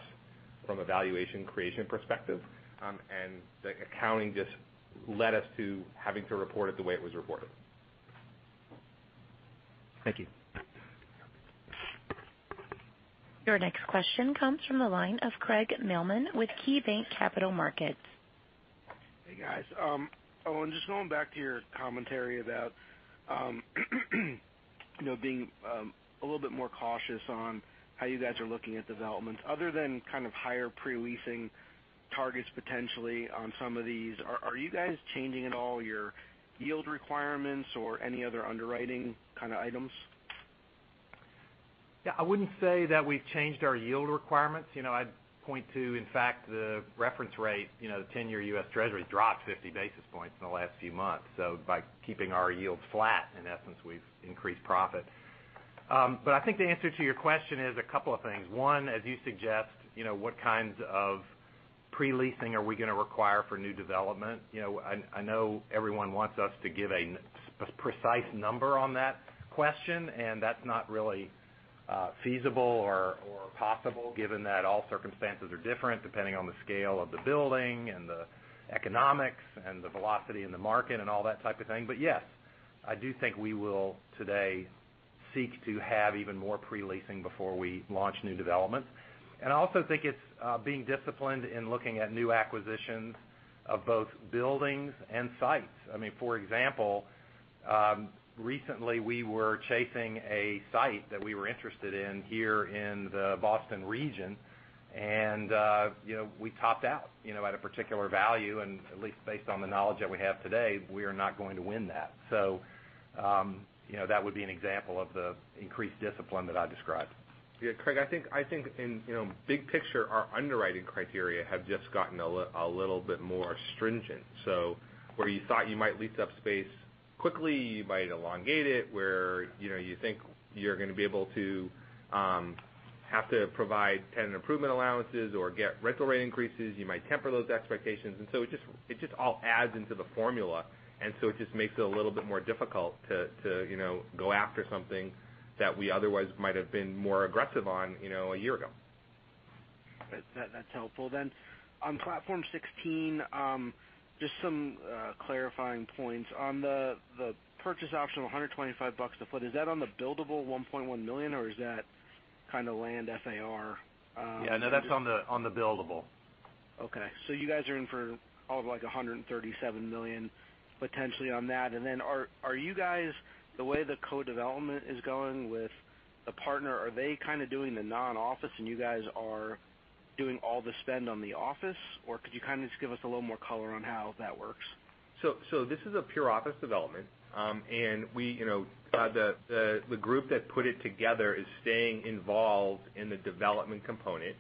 from a valuation creation perspective. The accounting just led us to having to report it the way it was reported. Thank you. Your next question comes from the line of Craig Mailman with KeyBanc Capital Markets. Hey, guys. Owen, just going back to your commentary about being a little bit more cautious on how you guys are looking at developments, other than kind of higher pre-leasing targets, potentially, on some of these, are you guys changing at all your yield requirements or any other underwriting kind of items? Yeah, I wouldn't say that we've changed our yield requirements. I'd point to, in fact, the reference rate, the 10-year U.S. Treasury dropped 50 basis points in the last few months. By keeping our yield flat, in essence, we've increased profit. I think the answer to your question is a couple of things. One, as you suggest, what kinds of pre-leasing are we going to require for new development? I know everyone wants us to give a precise number on that question, and that's not really feasible or possible given that all circumstances are different, depending on the scale of the building and the economics and the velocity in the market and all that type of thing. Yes, I do think we will, today, seek to have even more pre-leasing before we launch new development. I also think it's being disciplined in looking at new acquisitions of both buildings and sites. For example, recently, we were chasing a site that we were interested in here in the Boston region, and we topped out at a particular value, and at least based on the knowledge that we have today, we are not going to win that. That would be an example of the increased discipline that I described. Yeah, Craig, I think in big picture, our underwriting criteria have just gotten a little bit more stringent. Where you thought you might lease up space quickly, you might elongate it where you think you're going to be able to have to provide tenant improvement allowances or get rental rate increases. You might temper those expectations. It just all adds into the formula, it just makes it a little bit more difficult to go after something that we otherwise might have been more aggressive on a year ago. That's helpful. On Platform 16, just some clarifying points. On the purchase option of $125 a foot, is that on the buildable $1.1 million, or is that kind of land FAR? Yeah, no, that's on the buildable. Okay. You guys are in for all of like $137 million potentially on that. Are you guys, the way the co-development is going with the partner, are they kind of doing the non-office and you guys are doing all the spend on the office, or could you kind of just give us a little more color on how that works? This is a pure office development. The group that put it together is staying involved in the development component.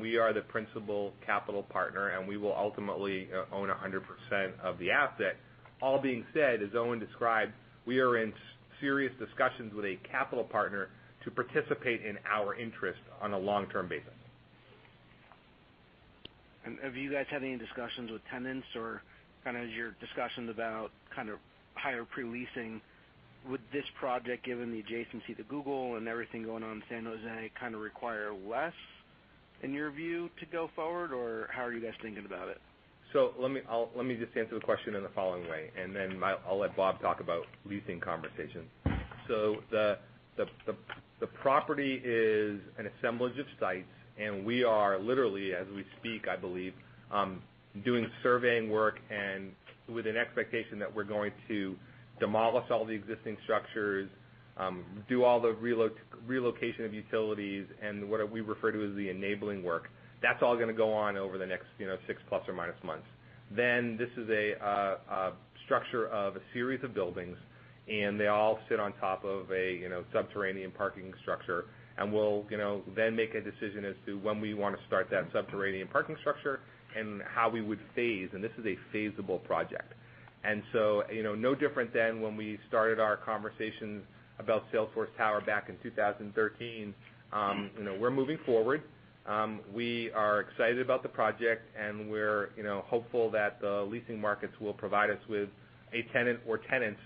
We are the principal capital partner, and we will ultimately own 100% of the asset. All being said, as Owen described, we are in serious discussions with a capital partner to participate in our interest on a long-term basis. Have you guys had any discussions with tenants or, kind of as your discussions about higher pre-leasing, would this project, given the adjacency to Google and everything going on in San Jose, kind of require less in your view to go forward, or how are you guys thinking about it? Let me just answer the question in the following way, I'll let Bob talk about leasing conversations. The property is an assemblage of sites, we are literally, as we speak, I believe, doing surveying work and with an expectation that we're going to demolish all the existing structures, do all the relocation of utilities and what we refer to as the enabling work. That's all going on over the next six plus or minus months. This is a structure of a series of buildings, and they all sit on top of a subterranean parking structure. We'll then make a decision as to when we want to start that subterranean parking structure and how we would phase. This is a phaseable project. No different than when we started our conversations about Salesforce Tower back in 2013, we're moving forward. We are excited about the project, and we're hopeful that the leasing markets will provide us with a tenant or tenants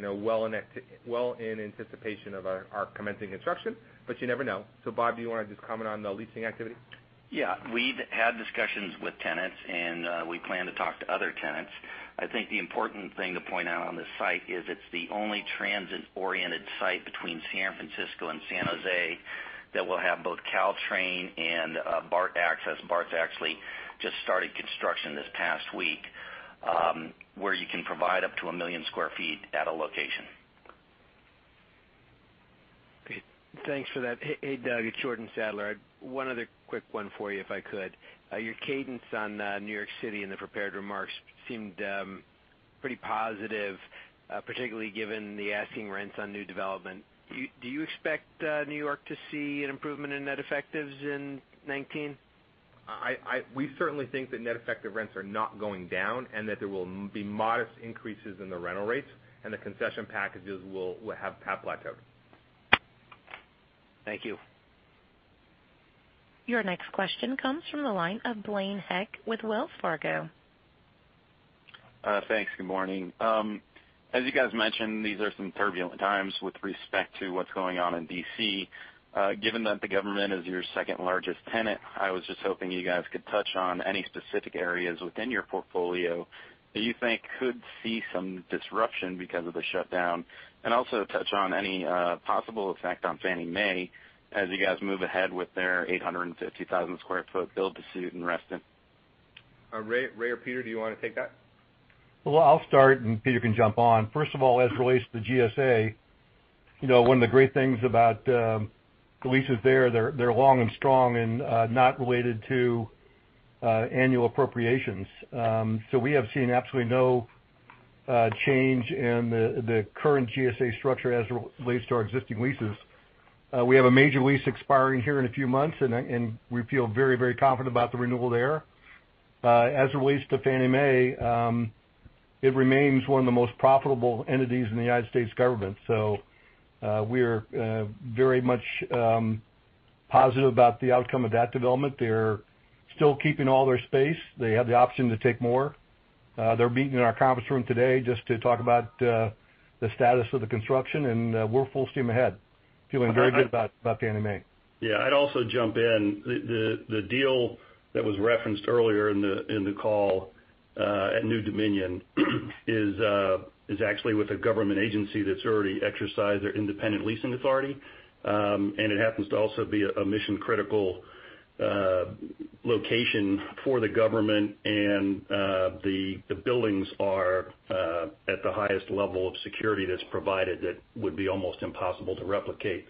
well in anticipation of our commencing construction, but you never know. Bob, do you want to just comment on the leasing activity? Yeah. We've had discussions with tenants, and we plan to talk to other tenants. I think the important thing to point out on this site is it's the only transit-oriented site between San Francisco and San Jose that will have both Caltrain and BART access. BART's actually just started construction this past week, where you can provide up to 1 million square feet at a location. Great. Thanks for that. Hey, Doug, it's Jordan Sadler. One other quick one for you, if I could. Your cadence on New York City in the prepared remarks seemed pretty positive, particularly given the asking rents on new development. Do you expect New York to see an improvement in net effectives in 2019? We certainly think that net effective rents are not going down and that there will be modest increases in the rental rates, and the concession packages will have tapped back out. Thank you. Your next question comes from the line of Blaine Heck with Wells Fargo. Thanks. Good morning. As you guys mentioned, these are some turbulent times with respect to what's going on in D.C. Given that the government is your second-largest tenant, I was just hoping you guys could touch on any specific areas within your portfolio that you think could see some disruption because of the shutdown, and also touch on any possible effect on Fannie Mae as you guys move ahead with their 850,000 sq ft build to suit in Reston. Ray or Peter, do you want to take that? I'll start and Peter can jump on. First of all, as it relates to the GSA, one of the great things about the leases there, they're long and strong and not related to annual appropriations. We have seen absolutely no change in the current GSA structure as it relates to our existing leases. We have a major lease expiring here in a few months, and we feel very, very confident about the renewal there. As it relates to Fannie Mae, it remains one of the most profitable entities in the U.S. government. We're very much positive about the outcome of that development. They're still keeping all their space. They have the option to take more. They're meeting in our conference room today just to talk about the status of the construction, and we're full steam ahead, feeling very good about Fannie Mae. I'd also jump in. The deal that was referenced earlier in the call at New Dominion is actually with a government agency that's already exercised their independent leasing authority. It happens to also be a mission-critical location for the government, and the buildings are at the highest level of security that's provided that would be almost impossible to replicate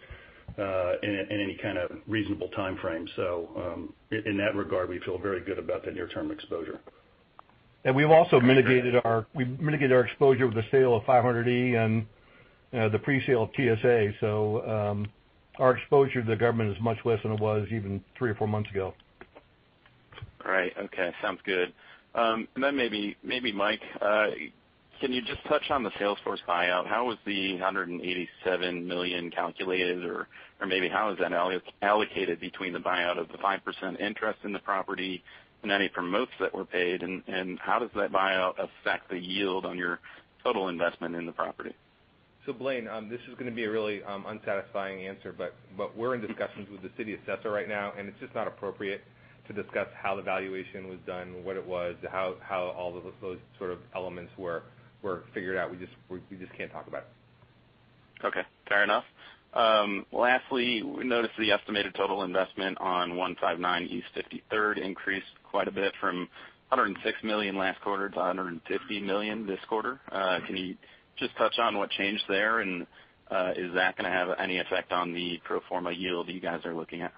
in any kind of reasonable timeframe. In that regard, we feel very good about the near-term exposure. We've also mitigated our exposure with the sale of 500 E and the pre-sale of TSA. Our exposure to the government is much less than it was even three or four months ago. Sounds good. Maybe Mike, can you just touch on the Salesforce buyout? How was the $187 million calculated or maybe how is that allocated between the buyout of the 5% interest in the property and any promotes that were paid, and how does that buyout affect the yield on your total investment in the property? Blaine, this is going to be a really unsatisfying answer, but we're in discussions with the city assessor right now, and it's just not appropriate to discuss how the valuation was done, what it was, how all of those sort of elements were figured out. We just can't talk about it. Okay, fair enough. Lastly, we noticed the estimated total investment on 159 East 53rd increased quite a bit from $106 million last quarter to $150 million this quarter. Can you just touch on what changed there, and is that going to have any effect on the pro forma yield that you guys are looking at?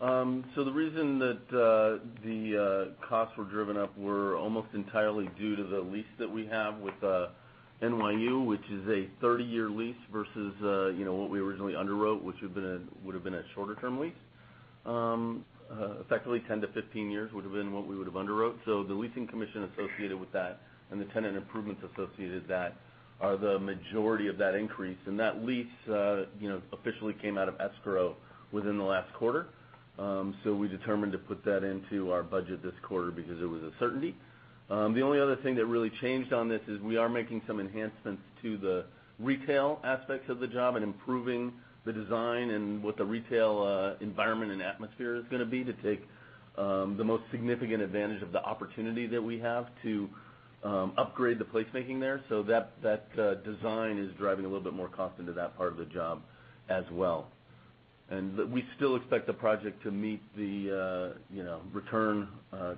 The reason that the costs were driven up were almost entirely due to the lease that we have with NYU, which is a 30-year lease versus what we originally underwrote, which would've been a shorter term lease. Effectively 10-15 years would've been what we would've underwrote. The leasing commission associated with that and the tenant improvements associated with that are the majority of that increase. That lease officially came out of escrow within the last quarter. We determined to put that into our budget this quarter because it was a certainty. The only other thing that really changed on this is we are making some enhancements to the retail aspects of the job and improving the design and what the retail environment and atmosphere is going to be to take the most significant advantage of the opportunity that we have to upgrade the place-making there. That design is driving a little bit more cost into that part of the job as well. We still expect the project to meet the return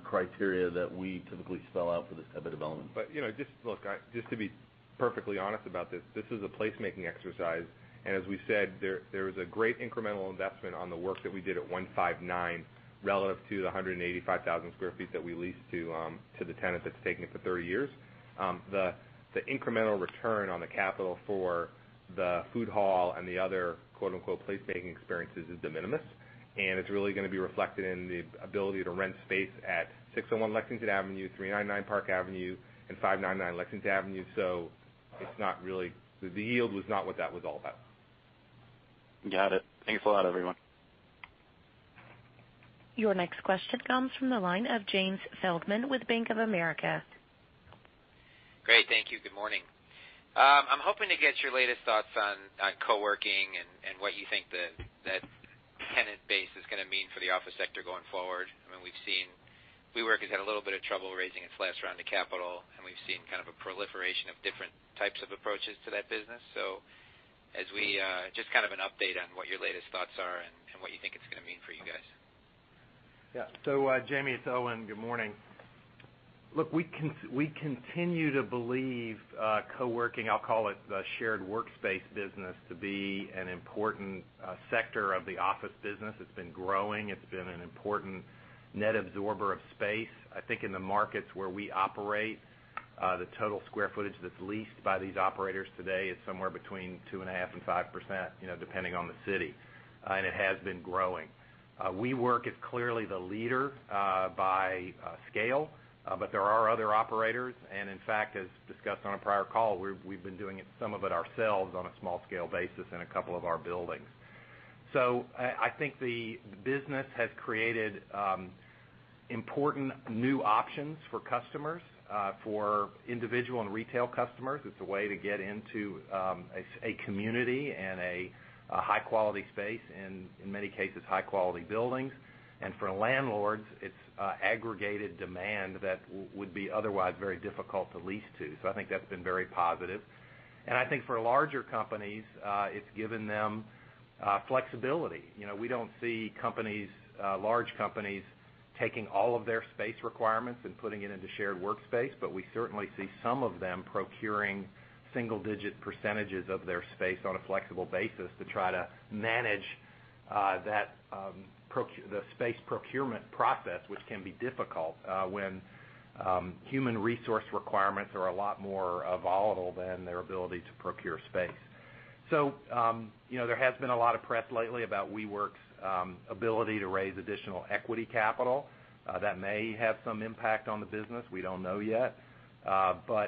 criteria that we typically spell out for this type of development. Just look, just to be perfectly honest about this is a place-making exercise, and as we said, there is a great incremental investment on the work that we did at 159 relative to the 185,000 sq ft that we leased to the tenant that's taking it for 30 years. The incremental return on the capital for the food hall and the other "place-making experiences" is de minimis, and it's really going to be reflected in the ability to rent space at 601 Lexington Avenue, 399 Park Avenue, and 599 Lexington Avenue. The yield was not what that was all about. Got it. Thanks a lot, everyone. Your next question comes from the line of Jamie Feldman with Bank of America. Great, thank you. Good morning. I'm hoping to get your latest thoughts on co-working and what you think that tenant base is going to mean for the office sector going forward. We've seen WeWork has had a little bit of trouble raising its last round of capital, and we've seen kind of a proliferation of different types of approaches to that business. Just kind of an update on what your latest thoughts are and what you think it's going to mean for you guys. Yeah. Jamie, it's Owen. Good morning. Look, we continue to believe co-working, I'll call it the shared workspace business, to be an important sector of the office business. It's been growing. It's been an important net absorber of space. I think in the markets where we operate, the total square footage that's leased by these operators today is somewhere between 2.5% and 5%, depending on the city. It has been growing. WeWork is clearly the leader by scale, but there are other operators, and in fact, as discussed on a prior call, we've been doing some of it ourselves on a small scale basis in a couple of our buildings. I think the business has created important new options for customers. For individual and retail customers, it's a way to get into a community and a high-quality space, and in many cases, high-quality buildings. For landlords, it's aggregated demand that would be otherwise very difficult to lease to. I think that's been very positive. I think for larger companies, it's given them flexibility. We don't see large companies taking all of their space requirements and putting it into shared workspace, but we certainly see some of them procuring single-digit percentages of their space on a flexible basis to try to manage the space procurement process, which can be difficult when human resource requirements are a lot more volatile than their ability to procure space. There has been a lot of press lately about WeWork's ability to raise additional equity capital. That may have some impact on the business. We don't know yet.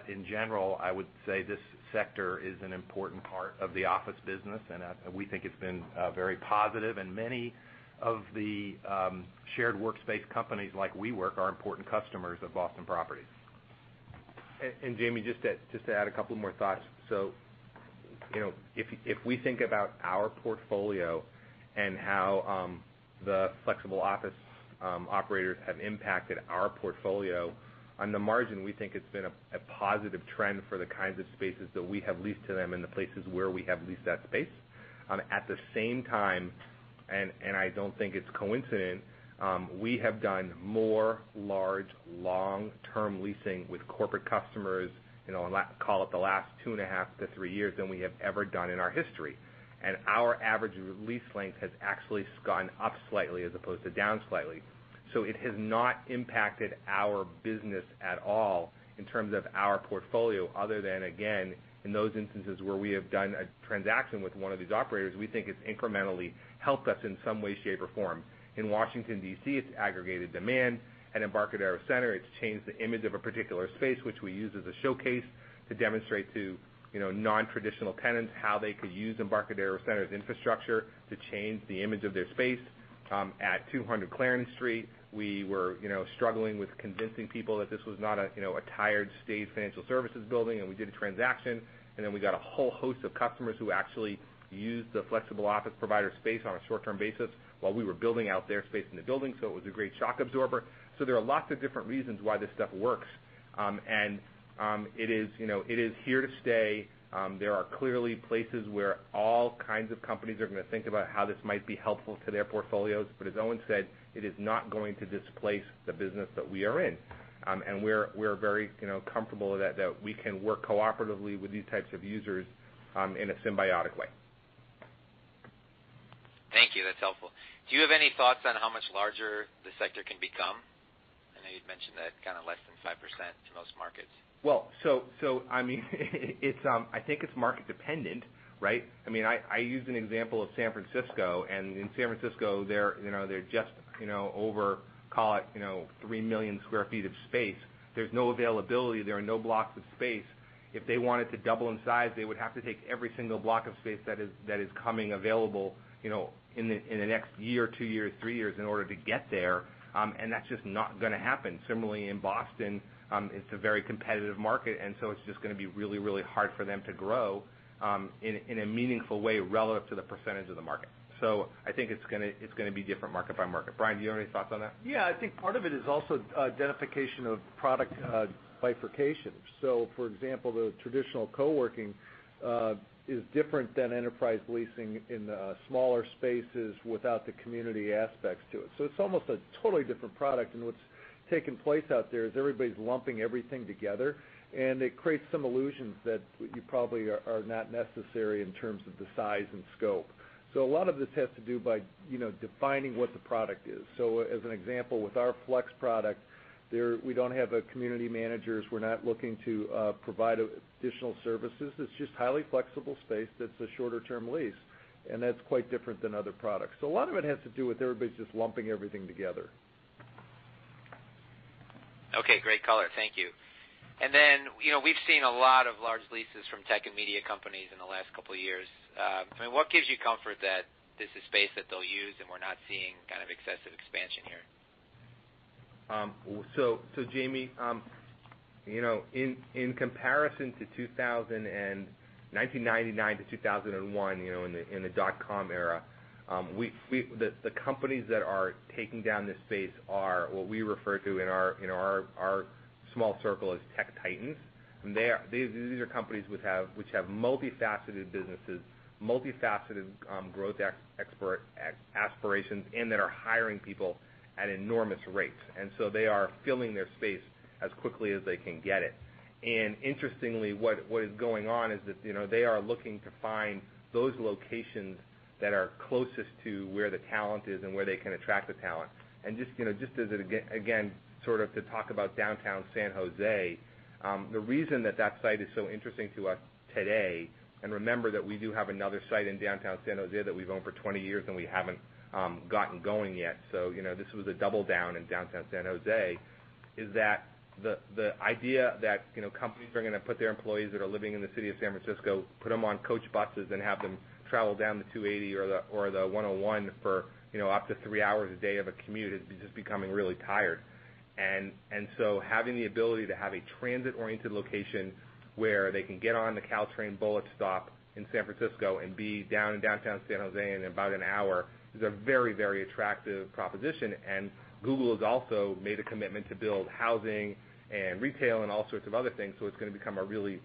In general, I would say this sector is an important part of the office business, and we think it's been very positive, and many of the shared workspace companies like WeWork are important customers of Boston Properties. Jamie, just to add a couple more thoughts. If we think about our portfolio and how the flexible office operators have impacted our portfolio, on the margin, we think it's been a positive trend for the kinds of spaces that we have leased to them and the places where we have leased that space. At the same time. I don't think it's coincident. We have done more large, long-term leasing with corporate customers in, call it, the last two and a half to three years than we have ever done in our history. Our average lease length has actually gone up slightly as opposed to down slightly. It has not impacted our business at all in terms of our portfolio, other than, again, in those instances where we have done a transaction with one of these operators, we think it's incrementally helped us in some way, shape, or form. In Washington, D.C., it's aggregated demand. At Embarcadero Center, it's changed the image of a particular space, which we use as a showcase to demonstrate to non-traditional tenants how they could use Embarcadero Center's infrastructure to change the image of their space. At 200 Clarendon Street, we were struggling with convincing people that this was not a tired, staid financial services building, and we did a transaction, and then we got a whole host of customers who actually used the flexible office provider space on a short-term basis while we were building out their space in the building, it was a great shock absorber. There are lots of different reasons why this stuff works. It is here to stay. There are clearly places where all kinds of companies are going to think about how this might be helpful to their portfolios. As Owen said, it is not going to displace the business that we are in. We're very comfortable that we can work cooperatively with these types of users in a symbiotic way. Thank you. That's helpful. Do you have any thoughts on how much larger the sector can become? I know you'd mentioned that kind of less than 5% to most markets. Well, I think it's market-dependent, right? I used an example of San Francisco, and in San Francisco, they're just over, call it, 3 million square feet of space. There's no availability. There are no blocks of space. If they wanted to double in size, they would have to take every single block of space that is coming available in the next year, two years, three years in order to get there, and that's just not going to happen. Similarly, in Boston, it's a very competitive market, and so it's just going to be really, really hard for them to grow, in a meaningful way relative to the percentage of the market. I think it's going to be different market by market. Bryan, do you have any thoughts on that? I think part of it is also identification of product bifurcation. For example, the traditional co-working is different than enterprise leasing in smaller spaces without the community aspects to it. It's almost a totally different product, and what's taking place out there is everybody's lumping everything together, and it creates some illusions that probably are not necessary in terms of the size and scope. A lot of this has to do by defining what the product is. As an example, with our flex product, we don't have community managers. We're not looking to provide additional services. It's just highly flexible space that's a shorter-term lease, and that's quite different than other products. A lot of it has to do with everybody just lumping everything together. Okay, great color. Thank you. We've seen a lot of large leases from tech and media companies in the last couple of years. What gives you comfort that this is space that they'll use and we're not seeing kind of excessive expansion here? Jamie, in comparison to 1999-2001, in the dot-com era, the companies that are taking down this space are what we refer to in our small circle as tech titans. These are companies which have multifaceted businesses, multifaceted growth aspirations, and that are hiring people at enormous rates. They are filling their space as quickly as they can get it. Interestingly, what is going on is that they are looking to find those locations that are closest to where the talent is and where they can attract the talent. Just as, again, sort of to talk about downtown San Jose, the reason that that site is so interesting to us today, and remember that we do have another site in downtown San Jose that we've owned for 20 years, and we haven't gotten going yet, this was a double-down in downtown San Jose, is that the idea that companies are going to put their employees that are living in the city of San Francisco, put them on coach buses, and have them travel down the 280 or the 101 for up to three hours a day of a commute is just becoming really tired. Having the ability to have a transit-oriented location where they can get on the Caltrain bullet stop in San Francisco and be down in downtown San Jose in about an hour is a very, very attractive proposition. Google has also made a commitment to build housing and retail and all sorts of other things, so it's going to become a really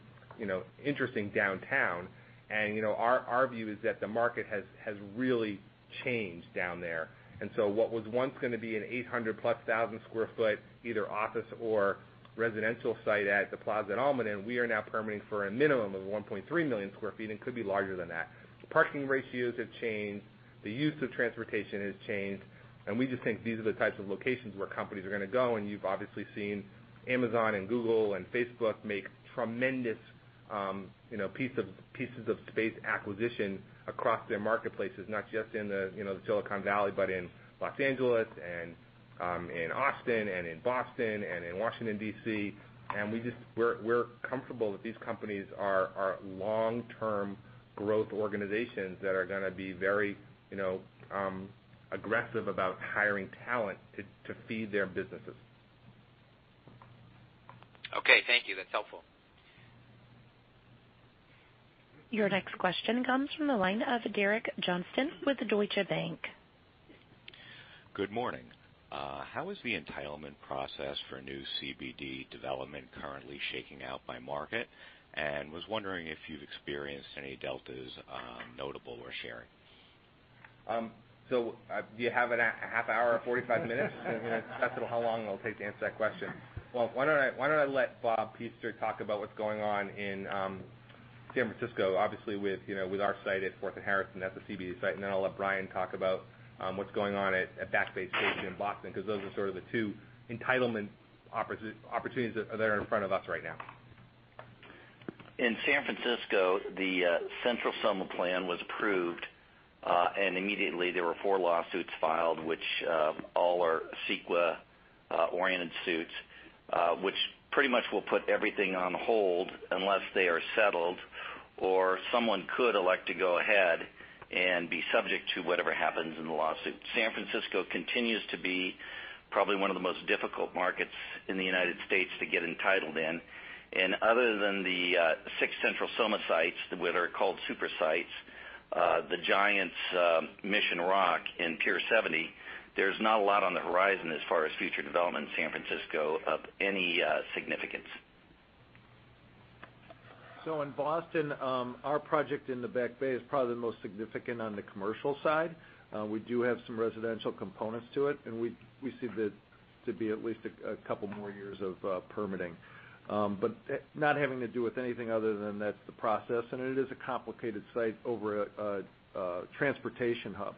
interesting downtown. Our view is that the market has really changed down there. What was once going to be an 800,000+ sq ft, either office or residential site at the Plaza at Almaden, we are now permitting for a minimum of 1.3 million square feet and could be larger than that. The parking ratios have changed, the use of transportation has changed, we just think these are the types of locations where companies are going to go. You've obviously seen Amazon and Google and Facebook make tremendous pieces of space acquisition across their marketplaces, not just in the Silicon Valley, but in Los Angeles and in Austin and in Boston and in Washington, D.C. We're comfortable that these companies are long-term growth organizations that are going to be very aggressive about hiring talent to feed their businesses. Okay, thank you. That's helpful. Your next question comes from the line of Derek Johnston with Deutsche Bank. Good morning. How is the entitlement process for new CBD development currently shaking out by market? Was wondering if you've experienced any deltas notable or sharing. Do you have a half hour or 45 minutes? I mean, that's how long it'll take to answer that question. Why don't I let Bob Pester talk about what's going on in San Francisco, obviously with our site at Fourth and Harrison, that's the CBD site. Then I'll let Bryan talk about what's going on at Back Bay Station in Boston, because those are sort of the two entitlement opportunities that are in front of us right now. In San Francisco, the Central SoMa plan was approved, immediately there were four lawsuits filed which all are CEQA-oriented suits. Which pretty much will put everything on hold unless they are settled, or someone could elect to go ahead and be subject to whatever happens in the lawsuit. San Francisco continues to be probably one of the most difficult markets in the U.S. to get entitled in. Other than the six Central SoMa sites, what are called super sites, the Giants' Mission Rock in Pier 70, there's not a lot on the horizon as far as future development in San Francisco of any significance. In Boston, our project in the Back Bay is probably the most significant on the commercial side. We do have some residential components to it, we see that to be at least a couple more years of permitting. Not having to do with anything other than that's the process, it is a complicated site over a transportation hub.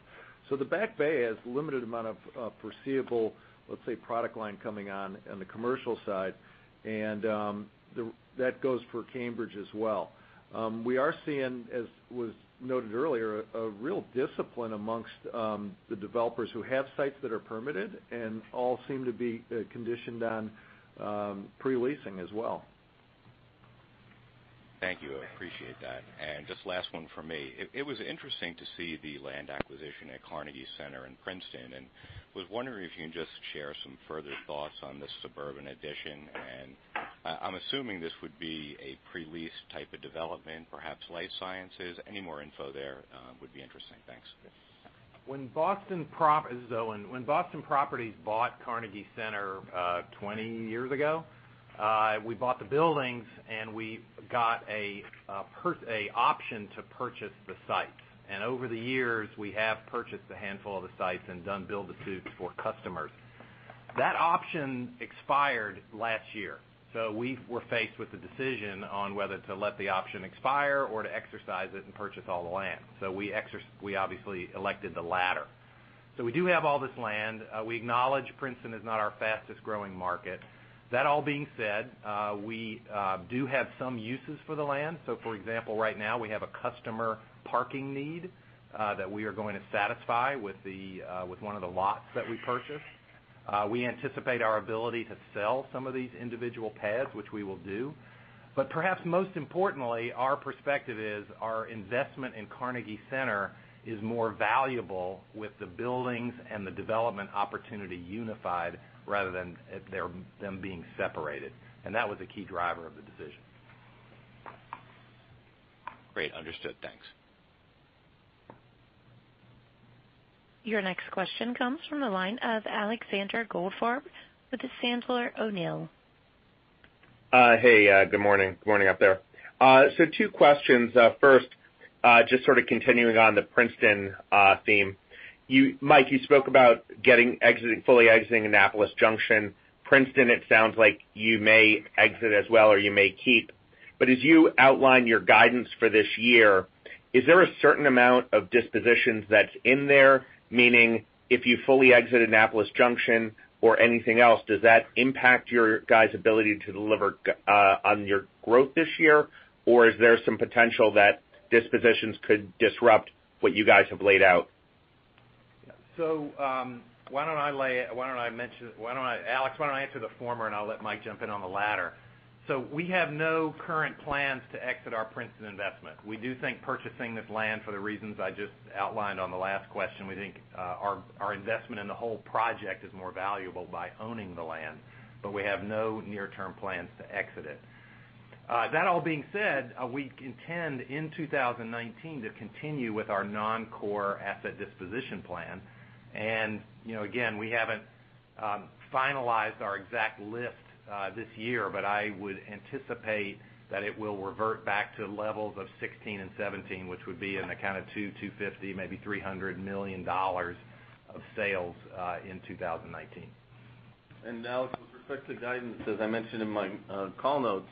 The Back Bay has limited amount of foreseeable, let's say, product line coming on on the commercial side. That goes for Cambridge as well. We are seeing, as was noted earlier, a real discipline amongst the developers who have sites that are permitted and all seem to be conditioned on pre-leasing as well. Thank you. I appreciate that. Just last one from me. It was interesting to see the land acquisition at Carnegie Center in Princeton. Was wondering if you can just share some further thoughts on this suburban addition. I'm assuming this would be a pre-lease type of development, perhaps life sciences. Any more info there would be interesting. Thanks. This is Owen. When Boston Properties bought Carnegie Center 20 years ago, we bought the buildings, and we got an option to purchase the sites. Over the years, we have purchased a handful of the sites and done build to suits for customers. That option expired last year. We were faced with the decision on whether to let the option expire or to exercise it and purchase all the land. We obviously elected the latter. We do have all this land. We acknowledge Princeton is not our fastest-growing market. That all being said, we do have some uses for the land. For example, right now we have a customer parking need, that we are going to satisfy with one of the lots that we purchased. We anticipate our ability to sell some of these individual pads, which we will do. Perhaps most importantly, our perspective is our investment in Carnegie Center is more valuable with the buildings and the development opportunity unified rather than them being separated. That was a key driver of the decision. Great. Understood. Thanks. Your next question comes from the line of Alexander Goldfarb with Sandler O'Neill. Hey, good morning. Good morning out there. Two questions. First, just sort of continuing on the Princeton theme. Mike, you spoke about fully exiting Annapolis Junction. Princeton, it sounds like you may exit as well, or you may keep. As you outline your guidance for this year, is there a certain amount of dispositions that's in there? Meaning, if you fully exit Annapolis Junction or anything else, does that impact your guys' ability to deliver on your growth this year? Is there some potential that dispositions could disrupt what you guys have laid out? Alex, why don't I answer the former, and I'll let Mike jump in on the latter. We have no current plans to exit our Princeton investment. We do think purchasing this land for the reasons I just outlined on the last question, we think our investment in the whole project is more valuable by owning the land. We have no near-term plans to exit it. That all being said, we intend in 2019 to continue with our non-core asset disposition plan. Again, we haven't finalized our exact list this year, but I would anticipate that it will revert back to levels of 2016 and 2017, which would be in the kind of $200 million, $250 million, maybe $300 million of sales, in 2019. Now with respect to guidance, as I mentioned in my call notes,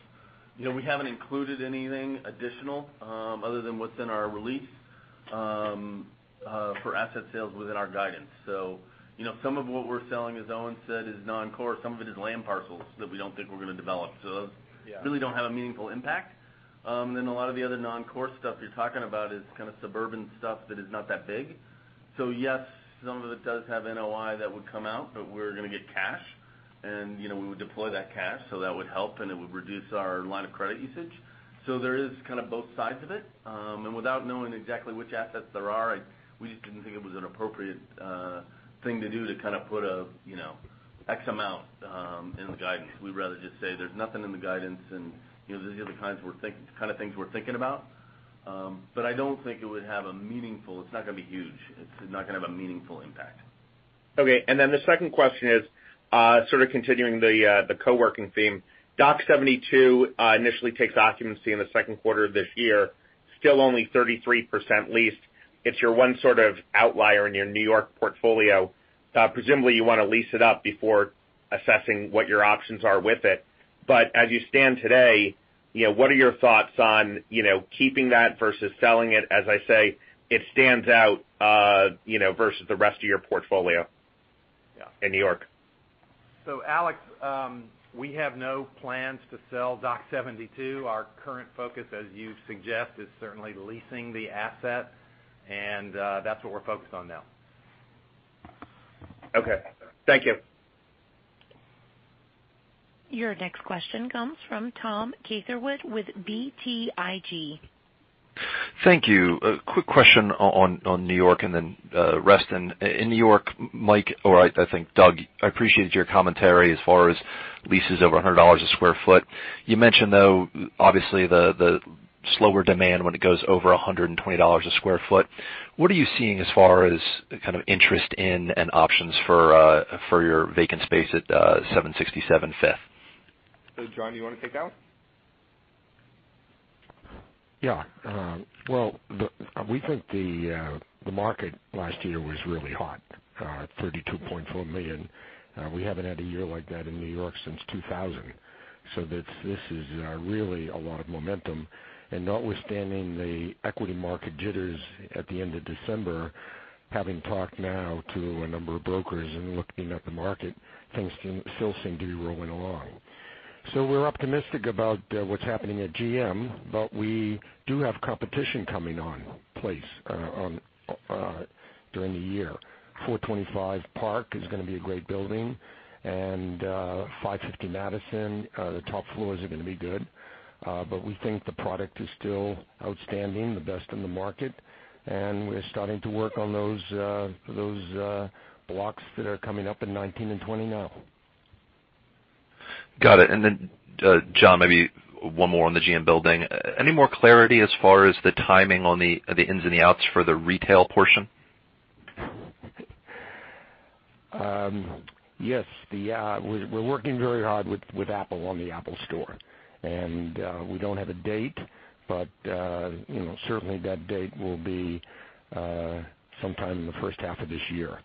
we haven't included anything additional other than what's in our release for asset sales within our guidance. Some of what we're selling, as Owen said, is non-core. Some of it is land parcels that we don't think we're going to develop. Yeah. Really don't have a meaningful impact. A lot of the other non-core stuff you're talking about is kind of suburban stuff that is not that big. Yes, some of it does have NOI that would come out, but we're going to get cash and we would deploy that cash, so that would help, and it would reduce our line of credit usage. There is kind of both sides of it. Without knowing exactly which assets there are, we just didn't think it was an appropriate thing to do to kind of put. X amount in the guidance. We'd rather just say there's nothing in the guidance, and these are the kind of things we're thinking about. I don't think it would have. It's not going to be huge. It's not going to have a meaningful impact. The second question is continuing the co-working theme. Dock 72 initially takes occupancy in the second quarter of this year, still only 33% leased. It's your one sort of outlier in your New York portfolio. Presumably, you want to lease it up before assessing what your options are with it. As you stand today, what are your thoughts on keeping that versus selling it? As I say, it stands out, versus the rest of your portfolio. Yeah. in New York. Alex, we have no plans to sell Dock 72. Our current focus, as you suggest, is certainly leasing the asset, and that's what we're focused on now. Okay. Thank you. Your next question comes from Tom Catherwood with BTIG. Thank you. A quick question on New York and then Reston. In New York, Mike, or I think Doug, I appreciated your commentary as far as leases over $100 a square foot. You mentioned, though, obviously, the slower demand when it goes over $120 a square foot. What are you seeing as far as interest in and options for your vacant space at 767 Fifth? John, you want to take that one? We think the market last year was really hot, $32.4 million. We haven't had a year like that in New York since 2000. This is really a lot of momentum. Notwithstanding the equity market jitters at the end of December, having talked now to a number of brokers and looking at the market, things still seem to be rolling along. We're optimistic about what's happening at GM, but we do have competition coming on place during the year. 425 Park is going to be a great building, and 550 Madison, the top floors are going to be good. We think the product is still outstanding, the best in the market, and we're starting to work on those blocks that are coming up in 2019 and 2020 now. Got it. Then, John, maybe one more on the GM Building. Any more clarity as far as the timing on the ins and the outs for the retail portion? Yes. We're working very hard with Apple on the Apple Store. We don't have a date, but certainly that date will be sometime in the first half of this year.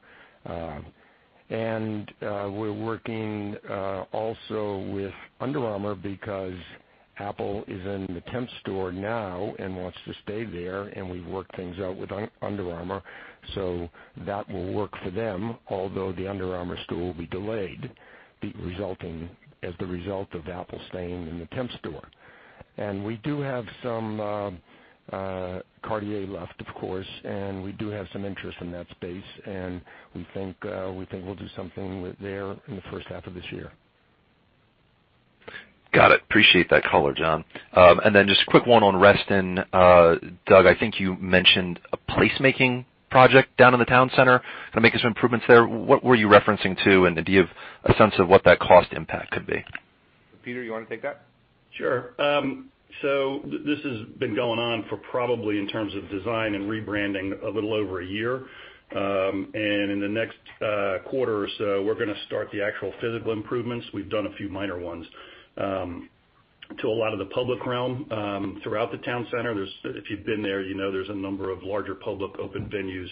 We're working also with Under Armour because Apple is in the temp store now and wants to stay there, and we've worked things out with Under Armour, so that will work for them, although the Under Armour store will be delayed, as the result of Apple staying in the temp store. We do have some Cartier left, of course, and we do have some interest in that space, and we think we'll do something there in the first half of this year. Got it. Appreciate that color, John. Just a quick one on Reston. Doug, I think you mentioned a placemaking project down in the town center to make some improvements there. What were you referencing to, and do you have a sense of what that cost impact could be? Peter, you want to take that? Sure. This has been going on for probably, in terms of design and rebranding, a little over a year. In the next quarter or so, we're going to start the actual physical improvements. We've done a few minor ones to a lot of the public realm throughout the town center. If you've been there, you know there's a number of larger public open venues,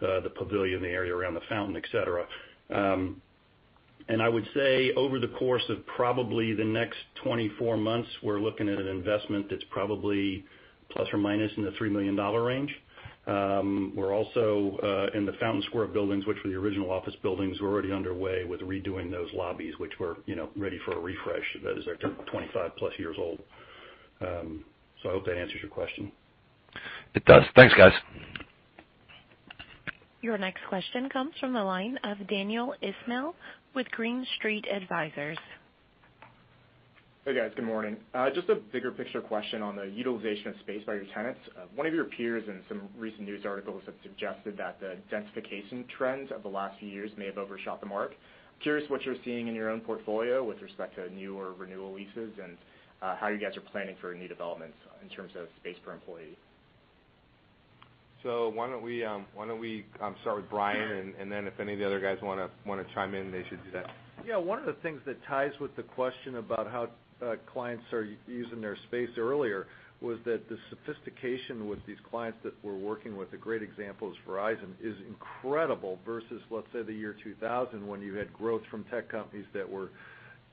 the pavilion, the area around the fountain, et cetera. I would say over the course of probably the next 24 months, we're looking at an investment that's probably ±$3 million range. We're also in the Fountain Square buildings, which were the original office buildings. We're already underway with redoing those lobbies, which were ready for a refresh. That is, they're 25+ years old. I hope that answers your question. It does. Thanks, guys. Your next question comes from the line of Daniel Ismail with Green Street Advisors. Hey, guys. Good morning. Just a bigger picture question on the utilization of space by your tenants. One of your peers in some recent news articles have suggested that the densification trends of the last few years may have overshot the mark. I'm curious what you're seeing in your own portfolio with respect to new or renewal leases and how you guys are planning for new developments in terms of space per employee. Why don't we start with Bryan, if any of the other guys want to chime in, they should do that. Yeah. One of the things that ties with the question about how clients are using their space earlier was that the sophistication with these clients that we're working with, a great example is Verizon, is incredible versus, let's say, the year 2000 when you had growth from tech companies that were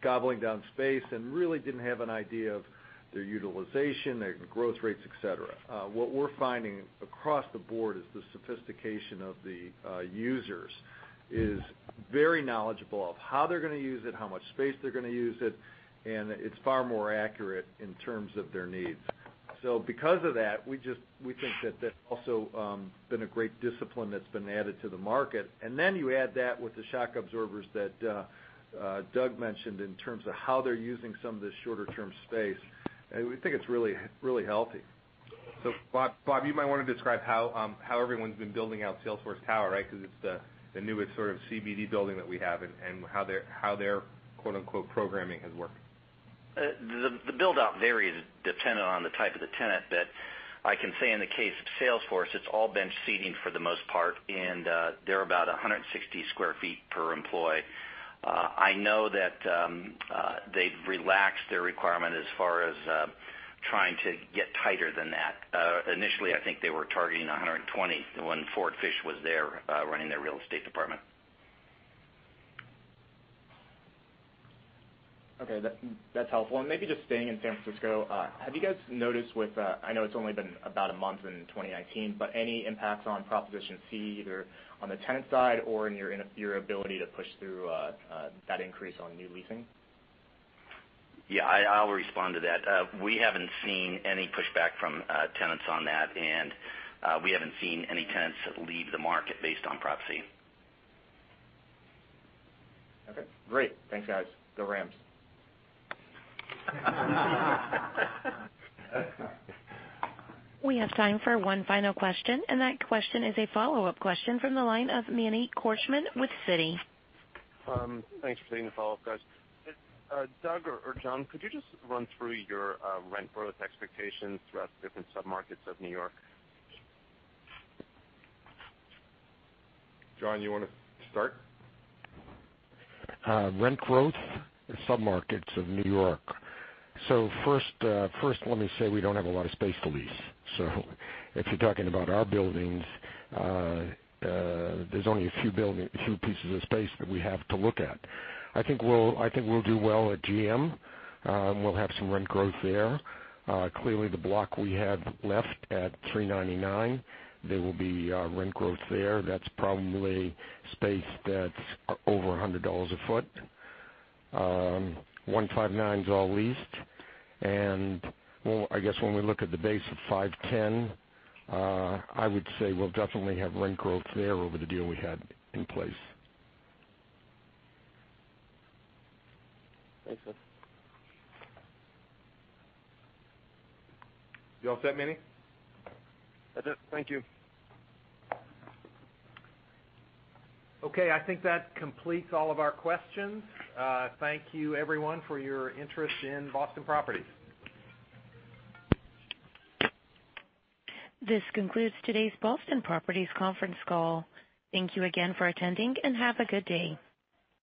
gobbling down space and really didn't have an idea of their utilization, their growth rates, et cetera. What we're finding across the board is the sophistication of the users is very knowledgeable of how they're going to use it, how much space they're going to use it, and it's far more accurate in terms of their needs. Because of that, we think that's also been a great discipline that's been added to the market. You add that with the shock absorbers that Doug mentioned in terms of how they're using some of this shorter-term space. We think it's really healthy. Bob, you might want to describe how everyone's been building out Salesforce Tower, right? Because it's the newest CBD building that we have, and how their "programming" has worked. The build-out varies dependent on the type of the tenant. I can say in the case of Salesforce, it's all bench seating for the most part, and they're about 160 sq ft per employee. I know that they've relaxed their requirement as far as trying to get tighter than that. Initially, I think they were targeting 120 when Ford Fish was there, running their real estate department. Okay. That's helpful. Maybe just staying in San Francisco, have you guys noticed with, I know it's only been about a month in 2019, but any impacts on Proposition C, either on the tenant side or in your ability to push through that increase on new leasing? Yeah, I'll respond to that. We haven't seen any pushback from tenants on that, and we haven't seen any tenants leave the market based on Prop C. Okay, great. Thanks, guys. Go Rams. We have time for one final question, and that question is a follow-up question from the line of Manny Korchman with Citi. Thanks for taking the follow-up, guys. Doug or John, could you just run through your rent growth expectations throughout the different submarkets of New York? John, you want to start? First, let me say we don't have a lot of space to lease. If you're talking about our buildings, there's only a few pieces of space that we have to look at. I think we'll do well at GM. We'll have some rent growth there. Clearly, the block we have left at 399, there will be rent growth there. That's probably space that's over $100 a foot. 159 is all leased. I guess when we look at the base of 510, I would say we'll definitely have rent growth there over the deal we had in place. Thanks. You all set, Manny? That's it. Thank you. Okay, I think that completes all of our questions. Thank you everyone for your interest in Boston Properties. This concludes today's Boston Properties conference call. Thank you again for attending and have a good day.